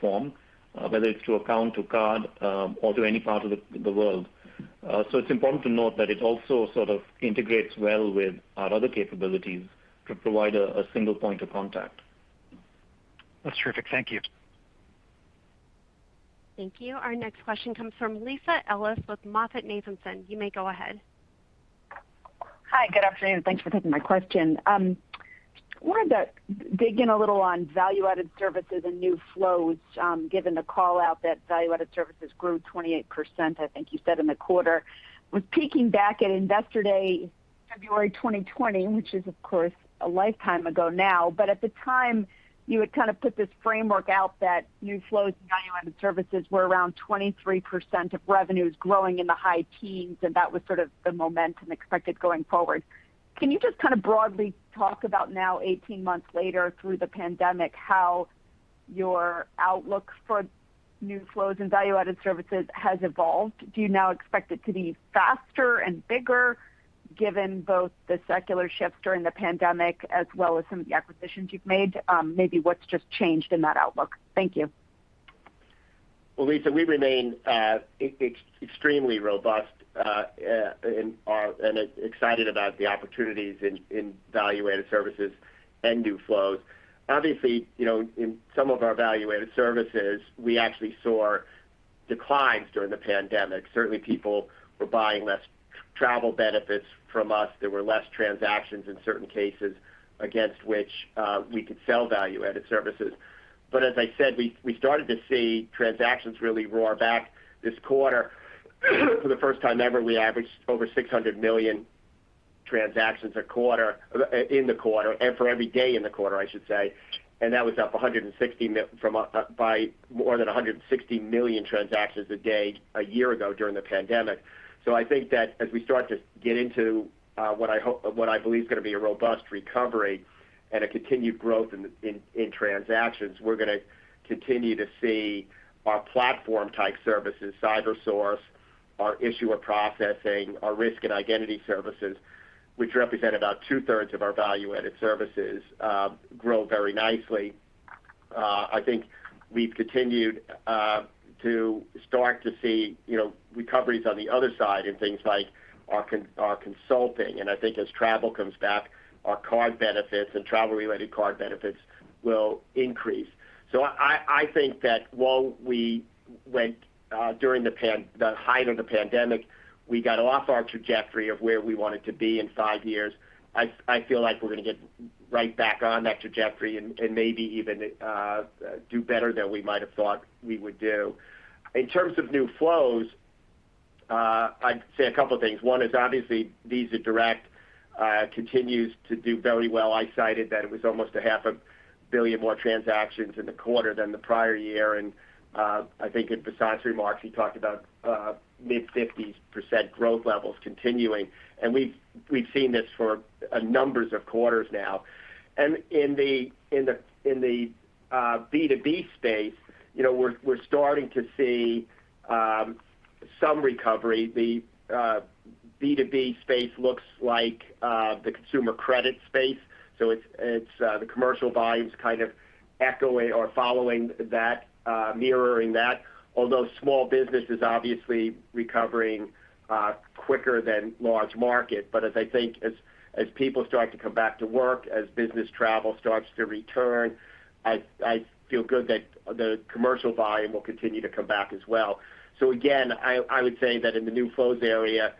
form, whether it's through account to card, or to any part of the world. It's important to note that it also sort of integrates well with our other capabilities to provide a single point of contact. That's terrific. Thank you. Thank you. Our next question comes from Lisa Ellis with MoffettNathanson. You may go ahead. Hi, good afternoon. Thanks for taking my question. Wanted to dig in a little on value-added services and new flows, given the call out that value-added services grew 28%, I think you said in the quarter. Was peeking back at Investor Day February 2020, which is of course a lifetime ago now, but at the time, you had kind of put this framework out that new flows and value-added services were around 23% of revenues growing in the high teens, and that was sort of the momentum expected going forward. Can you just kind of broadly talk about now, 18 months later through the pandemic, how your outlook for new flows and value-added services has evolved? Do you now expect it to be faster and bigger given both the secular shifts during the pandemic as well as some of the acquisitions you've made? Maybe what's just changed in that outlook. Thank you. Well, Lisa, we remain extremely robust and excited about the opportunities in value-added services and new flows. In some of our value-added services, we actually saw declines during the pandemic. Certainly people were buying less travel benefits from us. There were less transactions in certain cases against which we could sell value-added services. As I said, we started to see transactions really roar back this quarter. For the first time ever, we averaged over 600 million transactions in the quarter, and for every day in the quarter, I should say. That was up by more than 160 million transactions a day a year ago during the pandemic. I think that as we start to get into what I believe is going to be a robust recovery and a continued growth in transactions, we're going to continue to see our platform-type services, Cybersource, our issuer processing, our risk and identity services, which represent about two-thirds of our value-added services, grow very nicely. I think we've continued to start to see recoveries on the other side in things like our consulting. I think as travel comes back, our card benefits and travel-related card benefits will increase. I think that while we went during the height of the pandemic, we got off our trajectory of where we wanted to be in five years. I feel like we're going to get right back on that trajectory and maybe even do better than we might have thought we would do. In terms of new flows, I'd say a couple things. One is obviously Visa Direct continues to do very well. I cited that it was almost a half a billion more transactions in the quarter than the prior year, and I think in Vasant's remarks, he talked about mid-50% growth levels continuing, and we've seen this for numbers of quarters now. In the B2B space, we're starting to see some recovery. The B2B space looks like the consumer credit space, so it's the commercial volumes kind of echoing or following that, mirroring that. Although small business is obviously recovering quicker than large market. As I think as people start to come back to work, as business travel starts to return, I feel good that the commercial volume will continue to come back as well. Again, I would say that in the new flows area,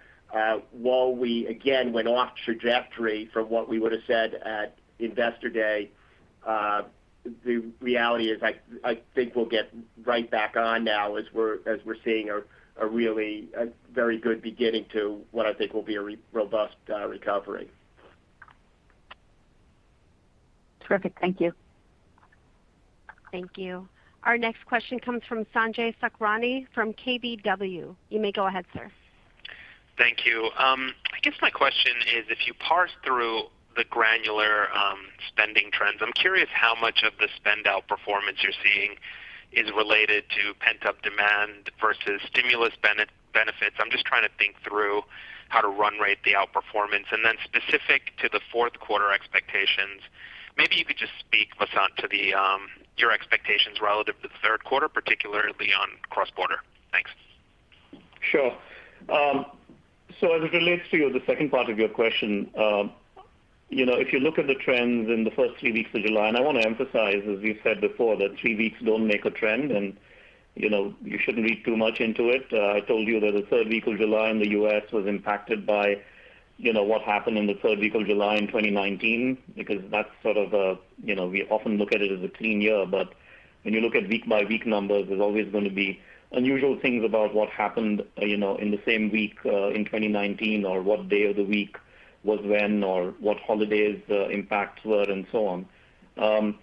while we again went off trajectory from what we would've said at Investor Day, the reality is I think we'll get right back on now as we're seeing a really very good beginning to what I think will be a robust recovery. Terrific. Thank you. Thank you. Our next question comes from Sanjay Sakhrani from KBW. You may go ahead, sir. Thank you. I guess my question is, if you parse through the granular spending trends, I'm curious how much of the spend outperformance you're seeing is related to pent-up demand versus stimulus benefits. I'm just trying to think through how to run rate the outperformance. Then specific to the fourth quarter expectations, maybe you could just speak, Vasant, to your expectations relative to the third quarter, particularly on cross-border. Thanks. Sure. As it relates to the second part of your question, if you look at the trends in the first three weeks of July, and I want to emphasize, as we've said before, that three weeks don't make a trend, and you shouldn't read too much into it. I told you that the third week of July in the U.S. was impacted by what happened in the third week of July in 2019 because that's sort of a, we often look at it as a clean year. When you look at week-by-week numbers, there's always going to be unusual things about what happened in the same week in 2019 or what day of the week was when or what holidays the impacts were and so on.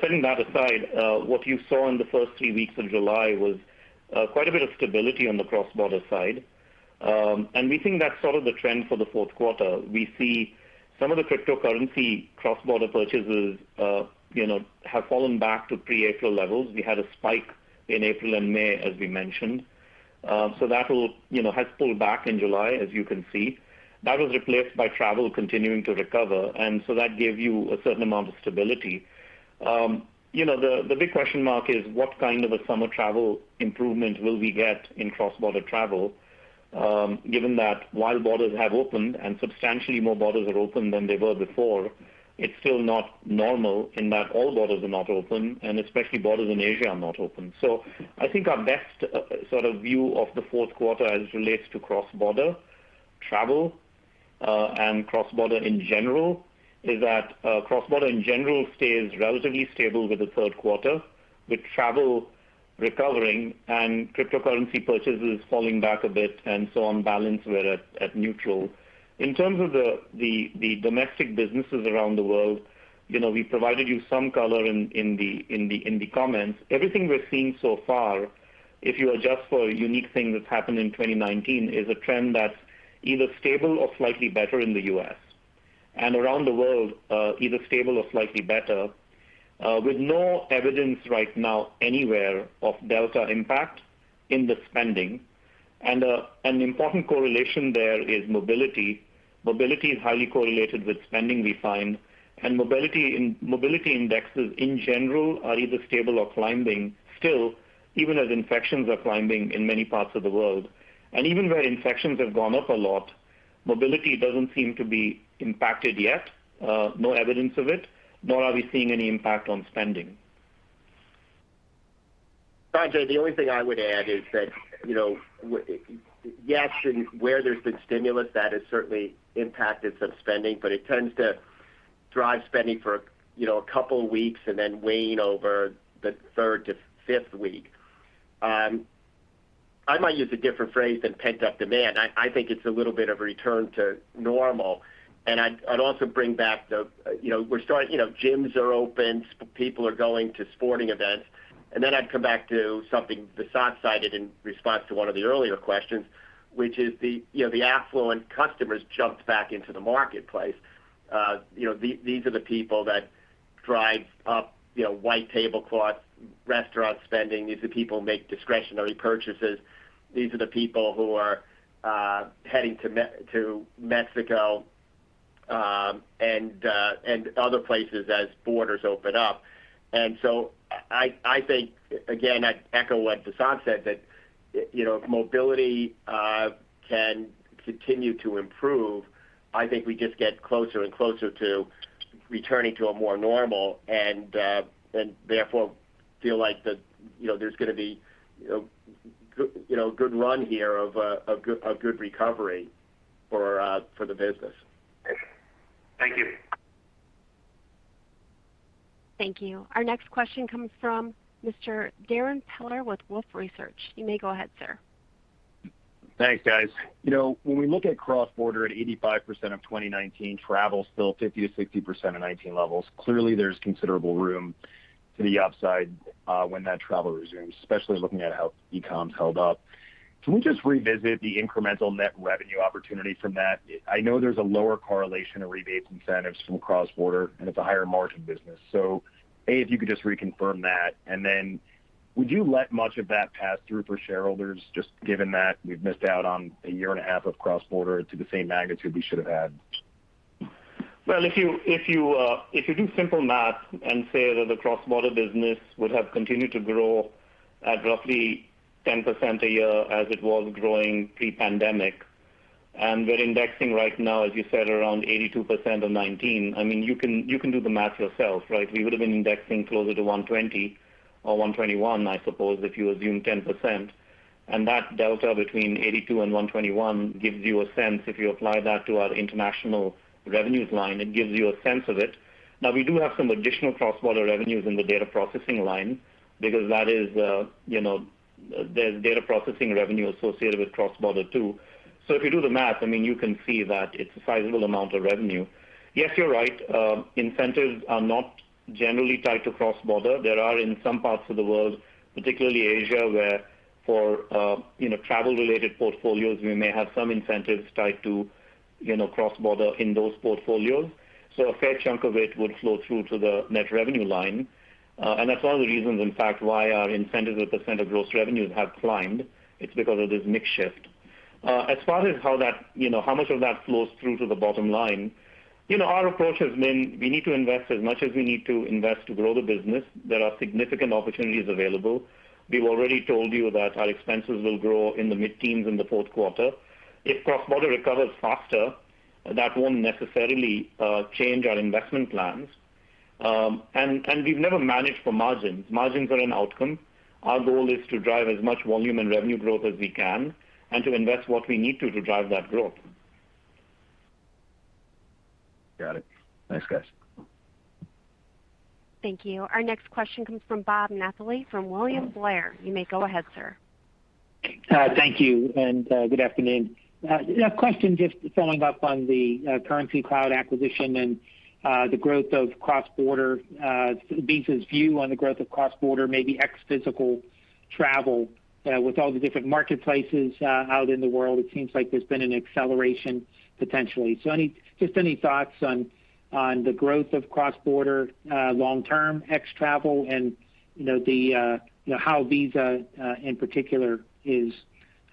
Setting that aside, what you saw in the first three weeks of July was quite a bit of stability on the cross-border side. We think that's sort of the trend for the fourth quarter. We see some of the cryptocurrency cross-border purchases have fallen back to pre-April levels. We had a spike in April and May, as we mentioned. That has pulled back in July, as you can see. That was replaced by travel continuing to recover, and so that gave you a certain amount of stability. The big question mark is: What kind of a summer travel improvement will we get in cross-border travel? Given that while borders have opened and substantially more borders are open than they were before, it's still not normal in that all borders are not open, and especially borders in Asia are not open. I think our best sort of view of the fourth quarter as it relates to cross-border travel and cross-border in general, is that cross-border in general stays relatively stable with the third quarter, with travel recovering and cryptocurrency purchases falling back a bit. On balance, we're at neutral. In terms of the domestic businesses around the world, we provided you some color in the comments. Everything we're seeing so far, if you adjust for a unique thing that's happened in 2019, is a trend that's either stable or slightly better in the U.S. Around the world, either stable or slightly better, with no evidence right now anywhere of Delta impact in the spending. An important correlation there is mobility. Mobility is highly correlated with spending, we find. Mobility indexes in general are either stable or climbing still, even as infections are climbing in many parts of the world. Even where infections have gone up a lot, mobility doesn't seem to be impacted yet. No evidence of it, nor are we seeing any impact on spending. Sanjay, the only thing I would add is that, yes, where there's been stimulus, that has certainly impacted some spending, but it tends to drive spending for two weeks and then wane over the third to fifth week. I might use a different phrase than pent-up demand. I think it's a little bit of a return to normal. I'd also bring back the gyms are open, people are going to sporting events. I'd come back to something Vasant cited in response to one of the earlier questions, which is the affluent customers jumped back into the marketplace. These are the people that drive up white tablecloth restaurant spending. These are people who make discretionary purchases. These are the people who are heading to Mexico, and other places as borders open up. I think, again, I'd echo what Vasant said, that if mobility can continue to improve, I think we just get closer and closer to returning to a more normal, and therefore feel like there's going to be a good run here of good recovery for the business. Thank you. Thank you. Our next question comes from Mr. Darrin Peller with Wolfe Research. You may go ahead, sir. Thanks, guys. We look at cross-border at 85% of 2019, travel still 50%-60% of 2019 levels, clearly there's considerable room to the upside when that travel resumes, especially looking at how e-com's held up. Can we just revisit the incremental net revenue opportunity from that? I know there's a lower correlation of rebates incentives from cross-border, and it's a higher-margin business. A, if you could just reconfirm that, and then would you let much of that pass through for shareholders, just given that we've missed out on a year and a half of cross-border to the same magnitude we should have had? Well, if you do simple math and say that the cross-border business would have continued to grow at roughly 10% a year as it was growing pre-pandemic, and we're indexing right now, as you said, around 82% of 2019. You can do the math yourself. We would have been indexing closer to 120 or 121, I suppose, if you assume 10%. That delta between 82 and 121 gives you a sense, if you apply that to our international revenues line, it gives you a sense of it. Now, we do have some additional cross-border revenues in the data processing line because there's data processing revenue associated with cross-border too. If you do the math, you can see that it's a sizable amount of revenue. Yes, you're right. Incentives are not generally tied to cross-border. There are in some parts of the world, particularly Asia, where for travel-related portfolios, we may have some incentives tied to cross-border in those portfolios. A fair chunk of it would flow through to the net revenue line. That's one of the reasons, in fact, why our incentive as a percent of gross revenues have climbed. It's because of this mix shift. As far as how much of that flows through to the bottom line, our approach has been we need to invest as much as we need to invest to grow the business. There are significant opportunities available. We've already told you that our expenses will grow in the mid-teens in the fourth quarter. If cross-border recovers faster, that won't necessarily change our investment plans. We've never managed for margins. Margins are an outcome. Our goal is to drive as much volume and revenue growth as we can and to invest what we need to drive that growth. Got it. Thanks, guys. Thank you. Our next question comes from Bob Napoli from William Blair. You may go ahead, sir. Thank you, and good afternoon. A question just following up on the Currencycloud acquisition and the growth of cross-border, Visa's view on the growth of cross-border, maybe ex physical travel. With all the different marketplaces out in the world, it seems like there's been an acceleration, potentially. Just any thoughts on the growth of cross-border long-term, ex travel, and how Visa in particular is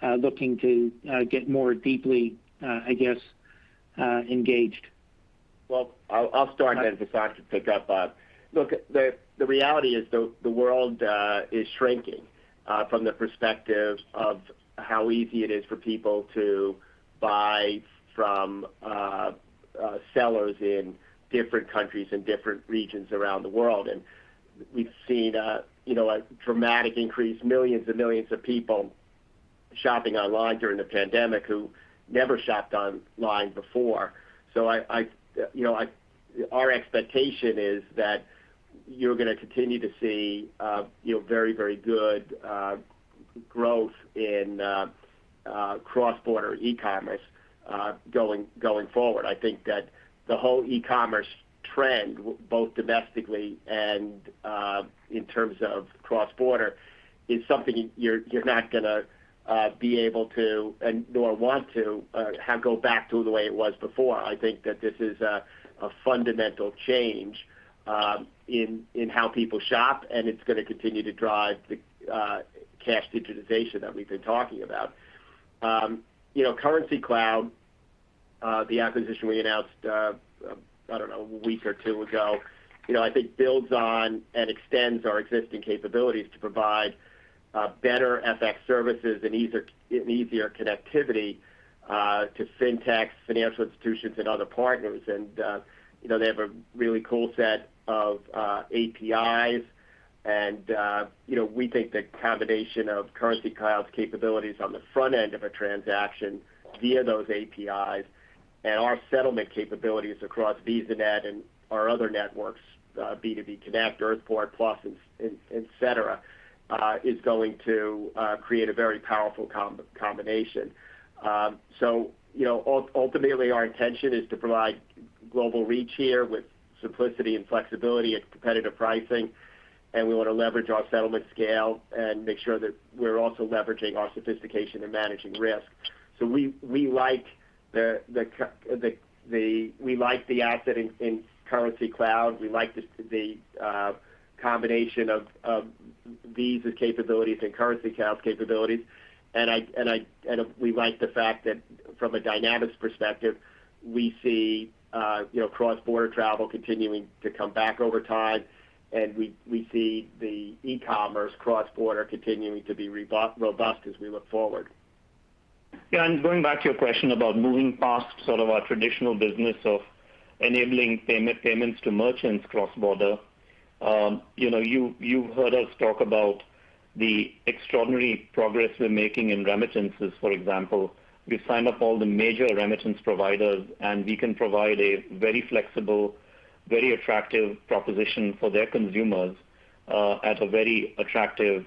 looking to get more deeply engaged? Well, I'll start, then Vasant can pick up. Look, the reality is the world is shrinking from the perspective of how easy it is for people to buy from sellers in different countries and different regions around the world. We've seen a dramatic increase, millions and millions of people shopping online during the pandemic who never shopped online before. Our expectation is that you're going to continue to see very good growth in cross-border e-commerce going forward. I think that the whole e-commerce trend, both domestically and in terms of cross-border, is something you're not going to be able to, nor want to, go back to the way it was before. I think that this is a fundamental change in how people shop, and it's going to continue to drive the cash digitization that we've been talking about. Currencycloud, the acquisition we announced, I don't know, a week or two ago, I think builds on and extends our existing capabilities to provide better FX services and easier connectivity to Fintech, financial institutions, and other partners. They have a really cool set of APIs and we think the combination of Currencycloud's capabilities on the front end of a transaction via those APIs and our settlement capabilities across VisaNet and our other networks, Visa B2B Connect, Earthport, etc., is going to create a very powerful combination. Ultimately our intention is to provide global reach here with simplicity and flexibility at competitive pricing. We want to leverage our settlement scale and make sure that we're also leveraging our sophistication in managing risk. We like the asset in Currencycloud. We like the combination of Visa's capabilities and Currencycloud's capabilities. We like the fact that from a dynamics perspective, we see cross-border travel continuing to come back over time. We see the e-commerce cross-border continuing to be robust as we look forward. Going back to your question about moving past our traditional business of enabling payments to merchants cross-border. You've heard us talk about the extraordinary progress we're making in remittances, for example. We've signed up all the major remittance providers, and we can provide a very flexible, very attractive proposition for their consumers at a very attractive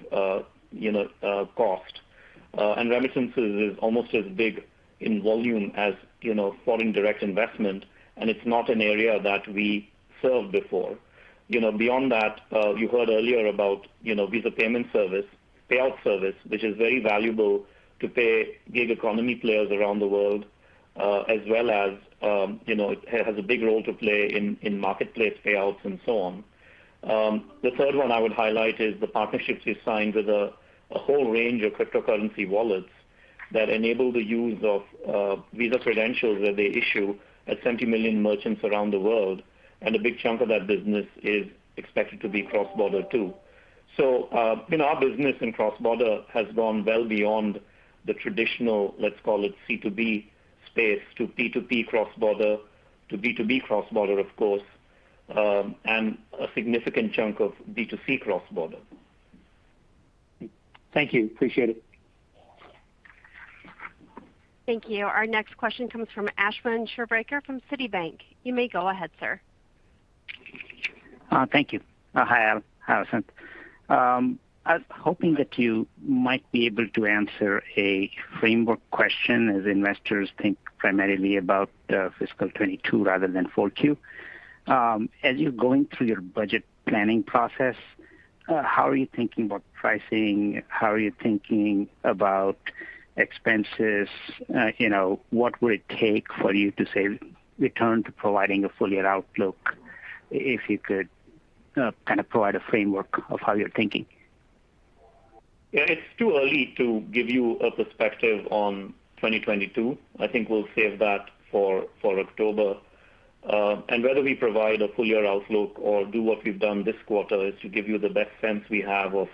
cost. Remittances is almost as big in volume as foreign direct investment, and it's not an area that we served before. You heard earlier about Visa Direct Payouts, which is very valuable to pay gig economy players around the world, as well as it has a big role to play in marketplace payouts and so on. The third one I would highlight is the partnerships we've signed with a whole range of cryptocurrency wallets that enable the use of Visa credentials that they issue at 70 million merchants around the world. A big chunk of that business is expected to be cross-border, too. Our business in cross-border has gone well beyond the traditional, let's call it C2B space, to P2P cross-border, to B2B cross-border, of course, and a significant chunk of B2C cross-border. Thank you. Appreciate it. Thank you. Our next question comes from Ashwin Shirvaikar from Citibank. You may go ahead, sir. Thank you. Hi, Al and Vasant. I was hoping that you might be able to answer a framework question as investors think primarily about FY 2022 rather than Q4. As you're going through your budget planning process, how are you thinking about pricing? How are you thinking about expenses? What would it take for you to, say, return to providing a full year outlook? If you could kind of provide a framework of how you're thinking. Yeah, it's too early to give you a perspective on 2022. I think we'll save that for October. Whether we provide a full year outlook or do what we've done this quarter is to give you the best sense we have of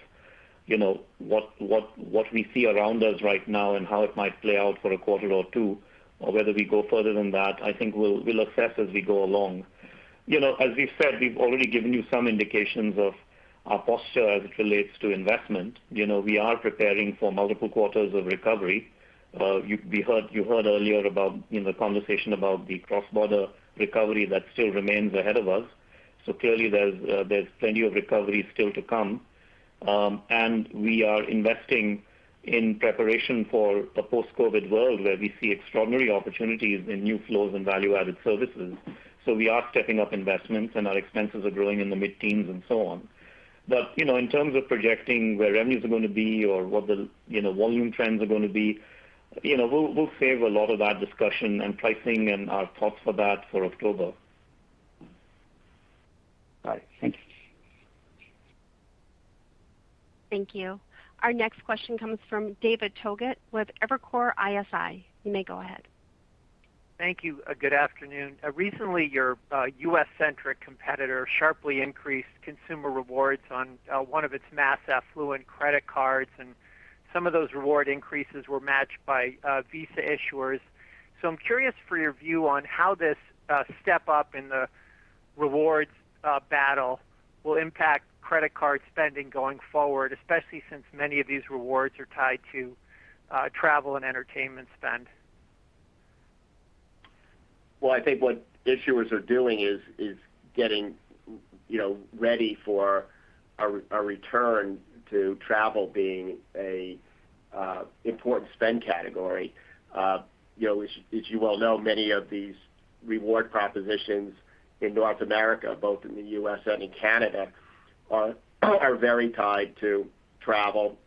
what we see around us right now and how it might play out for a quarter or two, or whether we go further than that, I think we'll assess as we go along. As we've said, we've already given you some indications of our posture as it relates to investment. We are preparing for multiple quarters of recovery. You heard earlier about the conversation about the cross-border recovery that still remains ahead of us. Clearly there's plenty of recovery still to come. We are investing in preparation for a post-COVID world where we see extraordinary opportunities in new flows and value-added services. We are stepping up investments, and our expenses are growing in the mid-teens and so on. In terms of projecting where revenues are going to be or what the volume trends are going to be, we'll save a lot of that discussion and pricing and our thoughts for that for October. Got it. Thank you. Thank you. Our next question comes from David Togut with Evercore ISI. You may go ahead. Thank you. Good afternoon. Recently, your U.S.-centric competitor sharply increased consumer rewards on one of its mass affluent credit cards, and some of those reward increases were matched by Visa issuers. I'm curious for your view on how this step up in the rewards battle will impact credit card spending going forward, especially since many of these rewards are tied to travel and entertainment spend. Well, I think what issuers are doing is getting ready for a important spend category. As you well know, many of these reward propositions in North America, both in the U.S. and in Canada, are very tied to travel.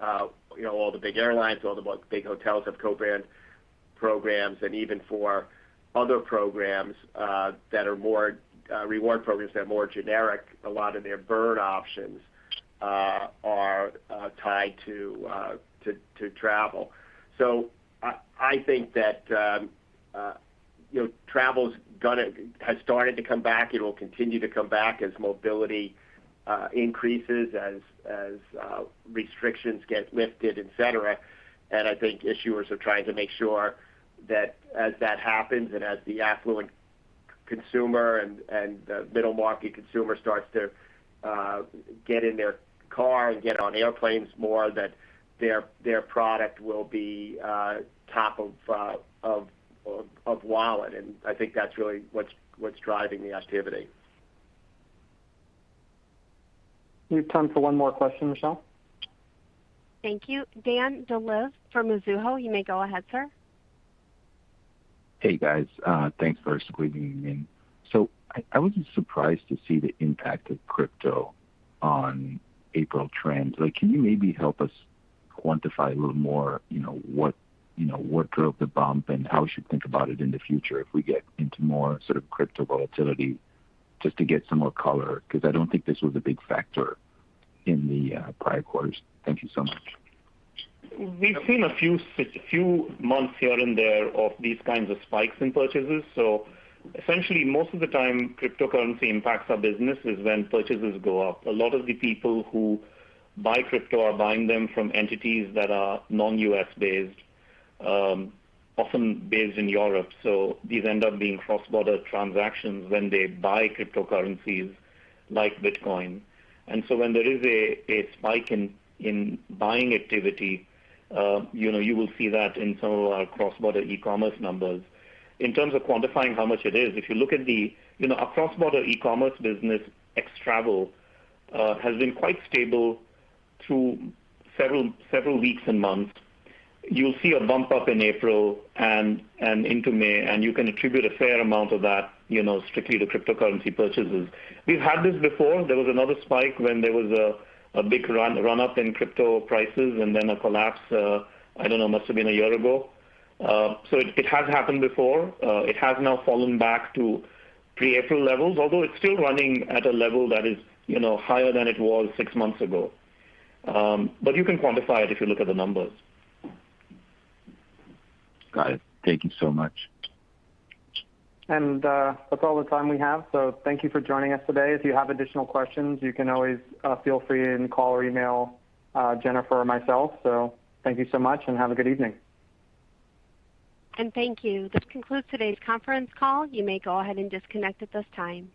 All the big airlines, all the big hotels have co-brand programs, and even for other reward programs that are more generic, a lot of their burn options are tied to travel. I think that travel has started to come back. It'll continue to come back as mobility increases, as restrictions get lifted, et cetera. I think issuers are trying to make sure that as that happens and as the affluent consumer and middle-market consumer starts to get in their car and get on airplanes more, that their product will be top of wallet. I think that's really what's driving the activity. We have time for one more question, Michelle. Thank you. Dan Dolev from Mizuho. You may go ahead, sir. Hey, guys. Thanks for squeezing me in. I wasn't surprised to see the impact of crypto on April trends. Can you maybe help us quantify a little more what drove the bump and how we should think about it in the future if we get into more sort of crypto volatility, just to get some more color? I don't think this was a big factor in the prior quarters. Thank you so much. We've seen a few months here and there of these kinds of spikes in purchases. Essentially, most of the time cryptocurrency impacts our business is when purchases go up. A lot of the people who buy crypto are buying them from entities that are non-U.S. based, often based in Europe. These end up being cross-border transactions when they buy cryptocurrencies like Bitcoin. When there is a spike in buying activity, you will see that in some of our cross-border e-commerce numbers. In terms of quantifying how much it is, if you look at our cross-border e-commerce business, ex-travel, has been quite stable through several weeks and months. You'll see a bump up in April and into May, and you can attribute a fair amount of that strictly to cryptocurrency purchases. We've had this before. There was another spike when there was a big run-up in crypto prices and then a collapse, I don't know, must've been a year ago. It has happened before. It has now fallen back to pre-April levels, although it's still running at a level that is higher than it was six months ago. You can quantify it if you look at the numbers. Got it. Thank you so much. That's all the time we have, so thank you for joining us today. If you have additional questions, you can always feel free and call or email Jennifer or myself. Thank you so much and have a good evening. Thank you. This concludes today's conference call. You may go ahead and disconnect at this time.